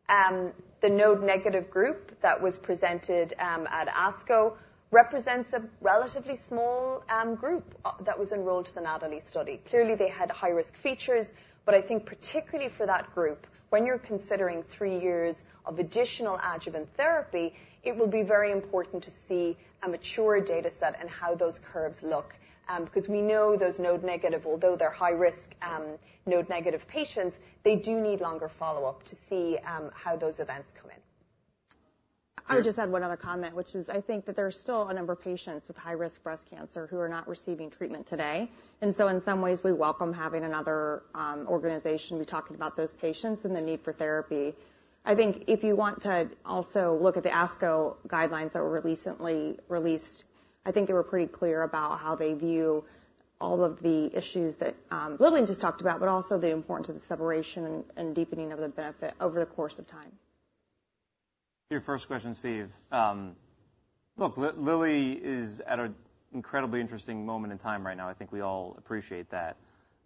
The node-negative group that was presented at ASCO represents a relatively small group that was enrolled to the NATALEE study. Clearly, they had high-risk features, but I think particularly for that group, when you're considering three years of additional adjuvant therapy, it will be very important to see a mature dataset and how those curves look. Because we know those node-negative, although they're high risk, node-negative patients, they do need longer follow-up to see how those events come in. I would just add one other comment, which is I think that there are still a number of patients with high-risk breast cancer who are not receiving treatment today. And so in some ways, we welcome having another organization be talking about those patients and the need for therapy. I think if you want to also look at the ASCO guidelines that were recently released, I think they were pretty clear about how they view all of the issues that Lillian just talked about, but also the importance of the separation and deepening of the benefit over the course of time. Your first question, Steve. Look, Lilly is at an incredibly interesting moment in time right now. I think we all appreciate that.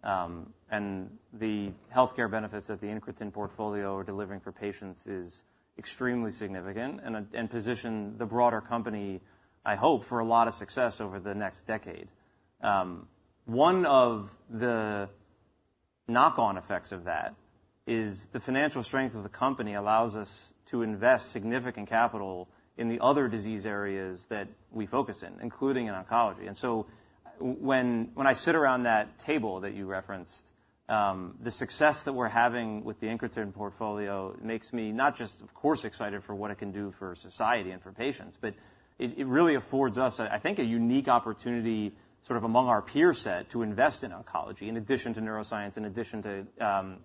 And the healthcare benefits that the incretin portfolio are delivering for patients is extremely significant and position the broader company, I hope, for a lot of success over the next decade. One of the knock-on effects of that is the financial strength of the company allows us to invest significant capital in the other disease areas that we focus in, including in oncology. When I sit around that table that you referenced, the success that we're having with the incretin portfolio makes me, not just, of course, excited for what it can do for society and for patients, but it really affords us, I think, a unique opportunity, sort of among our peer set, to invest in oncology, in addition to neuroscience, in addition to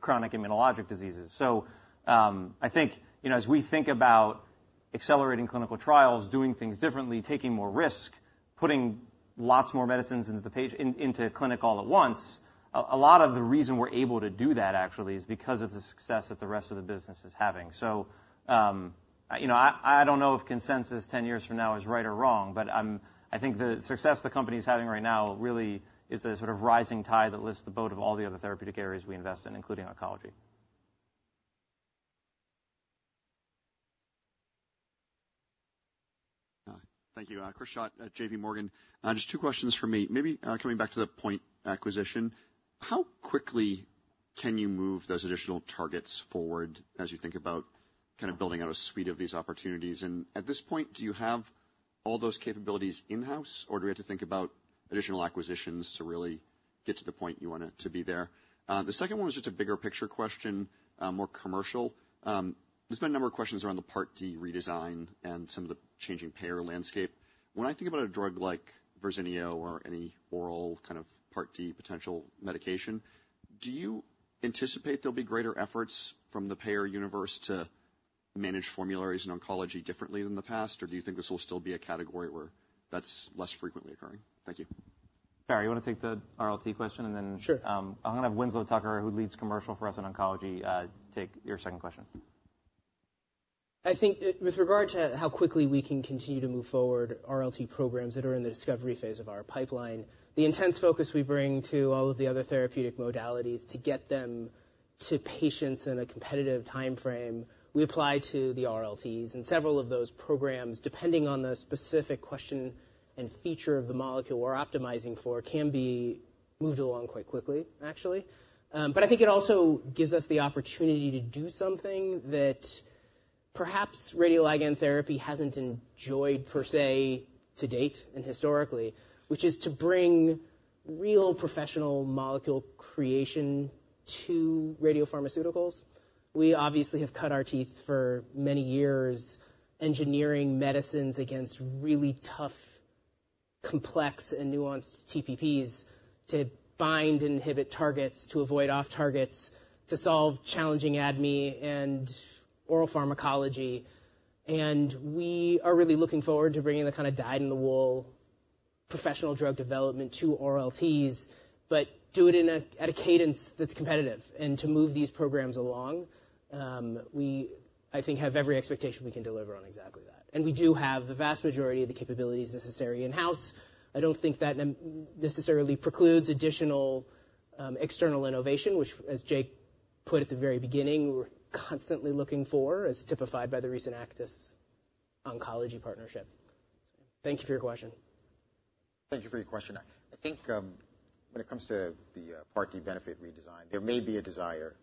chronic immunologic diseases. So, I think, you know, as we think about accelerating clinical trials, doing things differently, taking more risk, putting lots more medicines into the pipeline, into clinic all at once, a lot of the reason we're able to do that actually is because of the success that the rest of the business is having. So, you know, I don't know if consensus 10 years from now is right or wrong, but I think the success the company is having right now really is a sort of rising tide that lifts the boat of all the other therapeutic areas we invest in, including oncology. Thank you. Chris Schott at J.P. Morgan. Just two questions from me. Maybe, coming back to the POINT acquisition, how quickly can you move those additional targets forward as you think about kind of building out a suite of these opportunities? And at this point, do you have all those capabilities in-house, or do we have to think about additional acquisitions to really get to the point you want it to be there? The second one was just a bigger picture question, more commercial. There's been a number of questions around the Part D redesign and some of the changing payer landscape. When I think about a drug like Verzenio or any oral kind of Part D potential medication, do you anticipate there'll be greater efforts from the payer universe to manage formularies in oncology differently than the past? Or do you think this will still be a category where that's less frequently occurring? Thank you. Barry, you want to take the RLT question, and then... Sure. I'm going to have Winslow Tucker, who leads commercial for us in oncology, take your second question. I think with regard to how quickly we can continue to move forward RLT programs that are in the discovery phase of our pipeline, the intense focus we bring to all of the other therapeutic modalities to get them to patients in a competitive timeframe, we apply to the RLTs. Several of those programs, depending on the specific question and feature of the molecule we're optimizing for, can be moved along quite quickly, actually. But I think it also gives us the opportunity to do something that perhaps radioligand therapy hasn't enjoyed per se to date and historically, which is to bring real professional molecule creation to radiopharmaceuticals. We obviously have cut our teeth for many years, engineering medicines against really tough, complex and nuanced TPPs, to bind and inhibit targets, to avoid off targets, to solve challenging ADME and oral pharmacology. We are really looking forward to bringing the kind of dyed-in-the-wool professional drug development to RLTs, but do it at a cadence that's competitive. To move these programs along, we, I think, have every expectation we can deliver on exactly that. We do have the vast majority of the capabilities necessary in-house. I don't think that necessarily precludes additional external innovation, which, as Jake put at the very beginning, we're constantly looking for, as typified by the recent Aktis Oncology partnership. Thank you for your question. ...Thank you for your question. I think, when it comes to the Part D benefit redesign, there may be a desire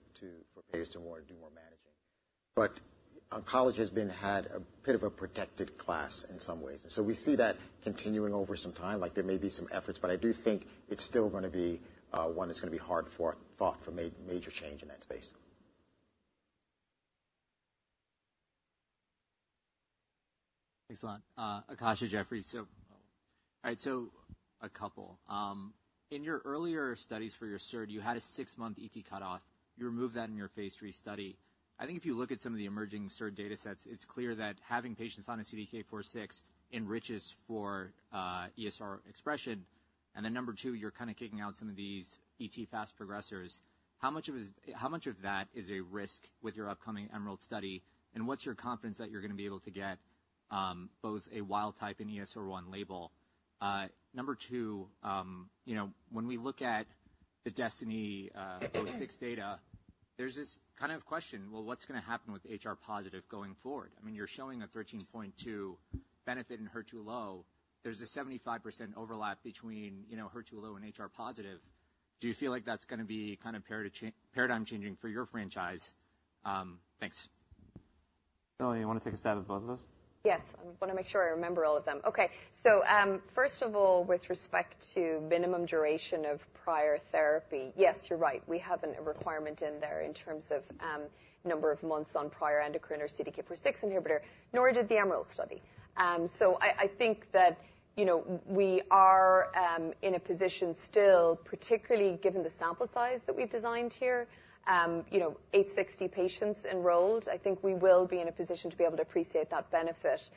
for payers to do more managing. But oncology has had a bit of a protected class in some ways, and so we see that continuing over some time, like there may be some efforts, but I do think it's still gonna be one that's gonna be hard-fought for major change in that space. Excellent. Akash at Jefferies. So, all right, so a couple. In your earlier studies for your SERD, you had a six-month ET cutoff. You removed that in your phase 3 study. I think if you look at some of the emerging SERD data sets, it's clear that having patients on a CDK4/6 enriches for ESR expression. And then number two, you're kind of kicking out some of these ET fast progressors. How much of that is a risk with your upcoming EMERALD study, and what's your confidence that you're gonna be able to get both a wild type and ESR1 label? Number two, you know, when we look at the DESTINY-06 data, there's this kind of question, well, what's gonna happen with HR-positive going forward? I mean, you're showing a 13.2 benefit in HER2-low. There's a 75% overlap between, you know, HER2-low and HR-positive. Do you feel like that's gonna be kind of paradigm changing for your franchise? Thanks. Lilly, you want to take a stab at both of those? Yes. I want to make sure I remember all of them. Okay, so, first of all, with respect to minimum duration of prior therapy, yes, you're right. We have a requirement in there in terms of number of months on prior endocrine or CDK4/6 inhibitor, nor did the EMERALD study. So I think that, you know, we are in a position still, particularly given the sample size that we've designed here, you know, 860 patients enrolled. I think we will be in a position to be able to appreciate that benefit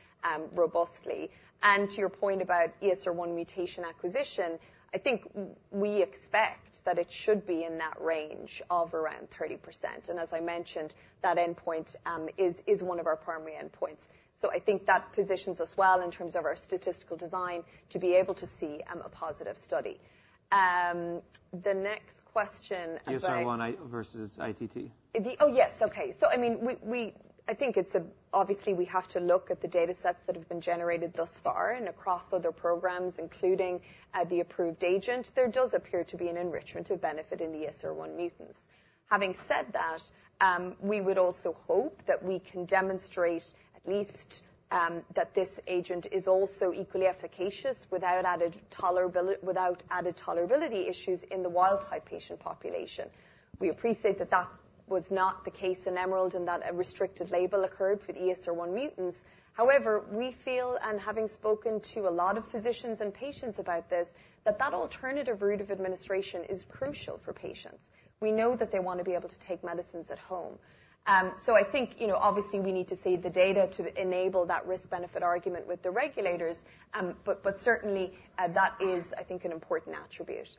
robustly. And to your point about ESR1 mutation acquisition, I think we expect that it should be in that range of around 30%. And as I mentioned, that endpoint is one of our primary endpoints. So I think that positions us well in terms of our statistical design to be able to see a positive study. The next question about- ESR1 versus ITT. Oh, yes. Okay. So, I mean, I think it's, obviously, we have to look at the data sets that have been generated thus far and across other programs, including the approved agent. There does appear to be an enrichment of benefit in the ESR1 mutants. Having said that, we would also hope that we can demonstrate at least that this agent is also equally efficacious without added tolerability issues in the wild type patient population. We appreciate that that was not the case in EMERALD, and that a restricted label occurred for the ESR1 mutants. However, we feel, and having spoken to a lot of physicians and patients about this, that that alternative route of administration is crucial for patients. We know that they want to be able to take medicines at home. So I think, you know, obviously, we need to see the data to enable that risk-benefit argument with the regulators, but, but certainly, that is, I think, an important attribute.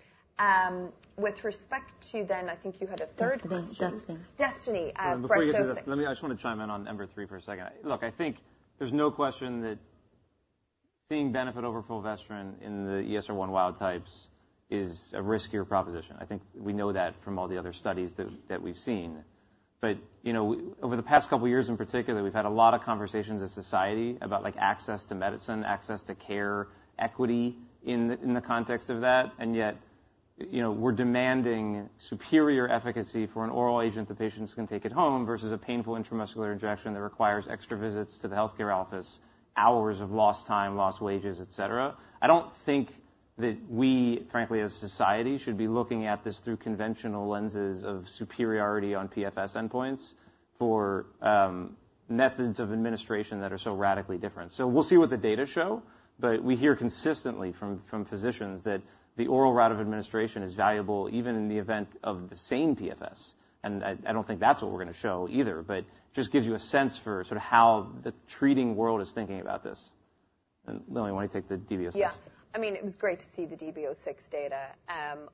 With respect to then, I think you had a third question. DESTINY, DESTINY. DESTINY-Breast06. Before you get to that, let me, I just want to chime in on EMBER-3 for a second. Look, I think there's no question that seeing benefit over fulvestrant in the ESR1 wild types is a riskier proposition. I think we know that from all the other studies that, that we've seen. But, you know, over the past couple of years, in particular, we've had a lot of conversations as society about, like, access to medicine, access to care, equity in the, in the context of that. And yet, you know, we're demanding superior efficacy for an oral agent that patients can take at home versus a painful intramuscular injection that requires extra visits to the healthcare office, hours of lost time, lost wages, et cetera. I don't think that we, frankly, as a society, should be looking at this through conventional lenses of superiority on PFS endpoints for methods of administration that are so radically different. So we'll see what the data show, but we hear consistently from physicians that the oral route of administration is valuable, even in the event of the same PFS. And I don't think that's what we're going to show either, but just gives you a sense for sort of how the treating world is thinking about this. And Lilly, why don't you take the DB06? Yeah. I mean, it was great to see the DB06 data.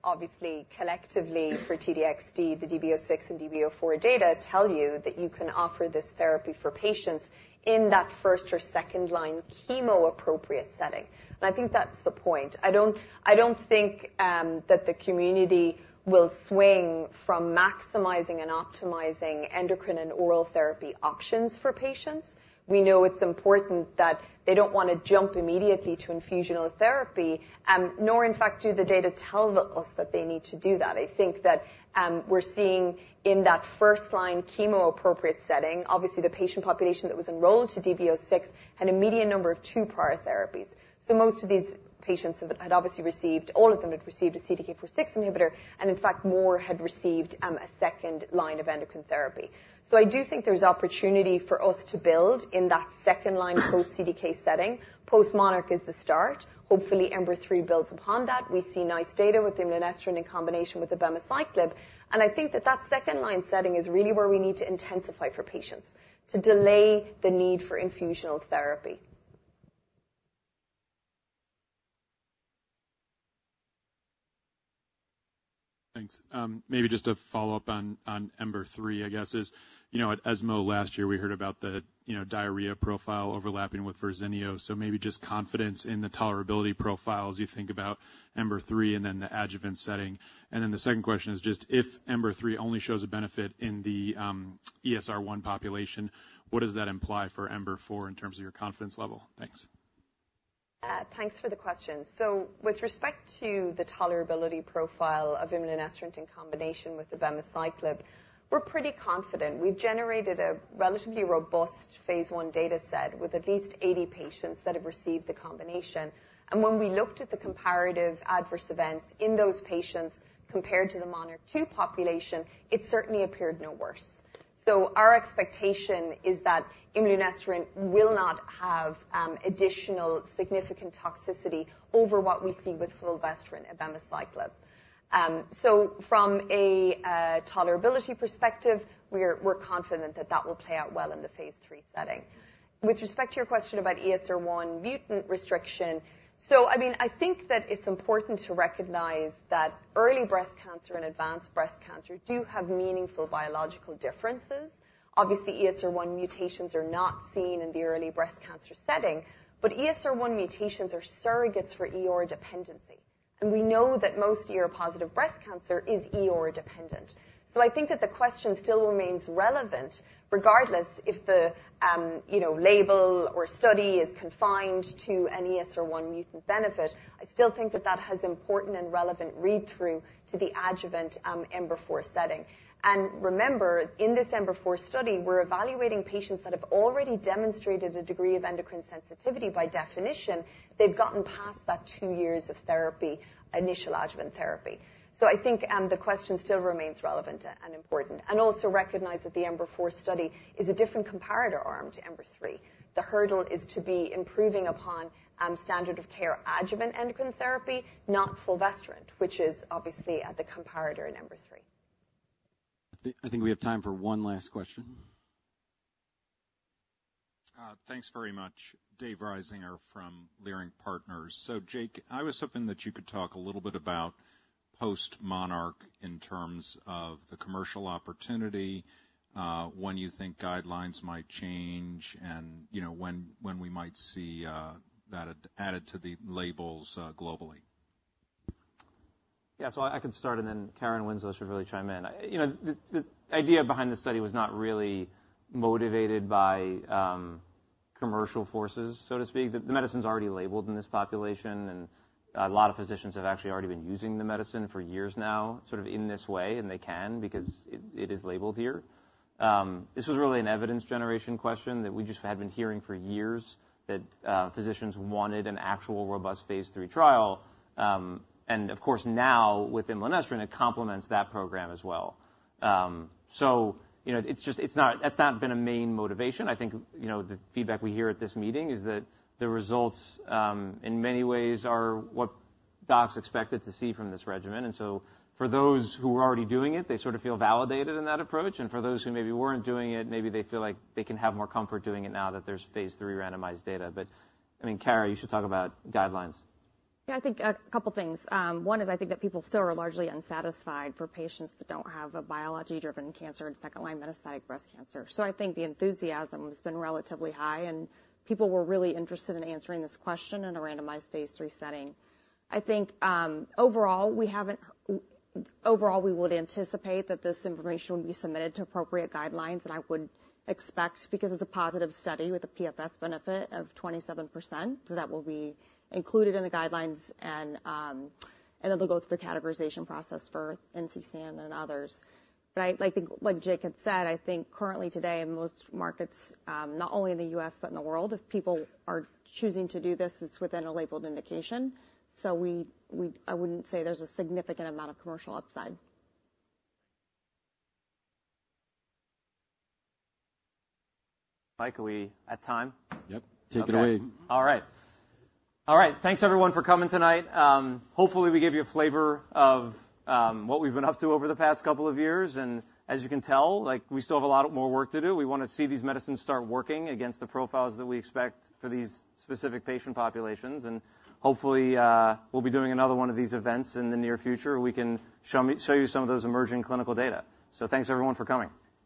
Obviously, collectively for T-DXd, the DB06 and DB04 data tell you that you can offer this therapy for patients in that first or second line chemo appropriate setting. And I think that's the point. I don't, I don't think that the community will swing from maximizing and optimizing endocrine and oral therapy options for patients. We know it's important that they don't want to jump immediately to infusional therapy, nor in fact, do the data tell us that they need to do that. I think that, we're seeing in that first line chemo appropriate setting, obviously, the patient population that was enrolled to DB06 had a median number of two prior therapies. So most of these patients had obviously received; all of them had received a CDK4/6 inhibitor, and in fact, more had received a second line of endocrine therapy. So I do think there's opportunity for us to build in that second line post-CDK setting. PostMONARCH is the start. Hopefully, EMBER-3 builds upon that. We see nice data with imlunestrant in combination with abemaciclib, and I think that that second line setting is really where we need to intensify for patients to delay the need for infusional therapy. Thanks. Maybe just a follow-up on, on EMBER-3, I guess, you know, at ESMO last year, we heard about the, you know, diarrhea profile overlapping with Verzenio, so maybe just confidence in the tolerability profile as you think about EMBER-3 and then the adjuvant setting. And then the second question is just, if EMBER-3 only shows a benefit in the ESR1 population, what does that imply for EMBER-4 in terms of your confidence level? Thanks.... Thanks for the question. So with respect to the tolerability profile of imlunestrant in combination with abemaciclib, we're pretty confident. We've generated a relatively robust phase 1 data set with at least 80 patients that have received the combination. And when we looked at the comparative adverse events in those patients compared to the MONARCH 2 population, it certainly appeared no worse. So our expectation is that imlunestrant will not have additional significant toxicity over what we see with fulvestrant abemaciclib. So from a tolerability perspective, we're confident that that will play out well in the phase 3 setting. With respect to your question about ESR1 mutant restriction, so I mean, I think that it's important to recognize that early breast cancer and advanced breast cancer do have meaningful biological differences. Obviously, ESR1 mutations are not seen in the early breast cancer setting, but ESR1 mutations are surrogates for ER dependency, and we know that most ER-positive breast cancer is ER dependent. So I think that the question still remains relevant, regardless if the, you know, label or study is confined to an ESR1 mutant benefit, I still think that that has important and relevant read-through to the adjuvant, EMBER-4 setting. And remember, in this EMBER-4 study, we're evaluating patients that have already demonstrated a degree of endocrine sensitivity. By definition, they've gotten past that two years of therapy, initial adjuvant therapy. So I think, the question still remains relevant and important. And also recognize that the EMBER-4 study is a different comparator arm to EMBER-3. The hurdle is to be improving upon standard of care, adjuvant endocrine therapy, not fulvestrant, which is obviously the comparator in EMBER-3. I think, I think we have time for one last question. Thanks very much. Dave Risinger from Leerink Partners. So, Jake, I was hoping that you could talk a little bit about postMONARCH in terms of the commercial opportunity, when you think guidelines might change and, you know, when we might see that added to the labels globally. Yeah. So I can start, and then Kara Winslow should really chime in. You know, the idea behind the study was not really motivated by commercial forces, so to speak. The medicine's already labeled in this population, and a lot of physicians have actually already been using the medicine for years now, sort of in this way, and they can, because it is labeled here. This was really an evidence generation question that we just had been hearing for years, that physicians wanted an actual robust phase 3 trial. And of course, now with imlunestrant, it complements that program as well. So you know, it's just, it's not been a main motivation. I think, you know, the feedback we hear at this meeting is that the results in many ways are what docs expected to see from this regimen. And so for those who are already doing it, they sort of feel validated in that approach. And for those who maybe weren't doing it, maybe they feel like they can have more comfort doing it now that there's phase 3 randomized data. But I mean, Kara, you should talk about guidelines. Yeah, I think a couple things. One is, I think that people still are largely unsatisfied for patients that don't have a biology-driven cancer and second-line metastatic breast cancer. So I think the enthusiasm has been relatively high, and people were really interested in answering this question in a randomized phase 3 setting. I think overall, we would anticipate that this information will be submitted to appropriate guidelines, and I would expect, because it's a positive study with a PFS benefit of 27%, so that will be included in the guidelines, and then they'll go through the categorization process for NCCN and others. But I think, like Jake had said, I think currently today, in most markets, not only in the U.S. but in the world, if people are choosing to do this, it's within a labeled indication. So, I wouldn't say there's a significant amount of commercial upside. Mike, are we at time? Yep. Take it away. Okay. All right. All right, thanks, everyone, for coming tonight. Hopefully, we give you a flavor of what we've been up to over the past couple of years, and as you can tell, like, we still have a lot more work to do. We wanna see these medicines start working against the profiles that we expect for these specific patient populations, and hopefully, we'll be doing another one of these events in the near future, and we can show you some of those emerging clinical data. So thanks, everyone, for coming.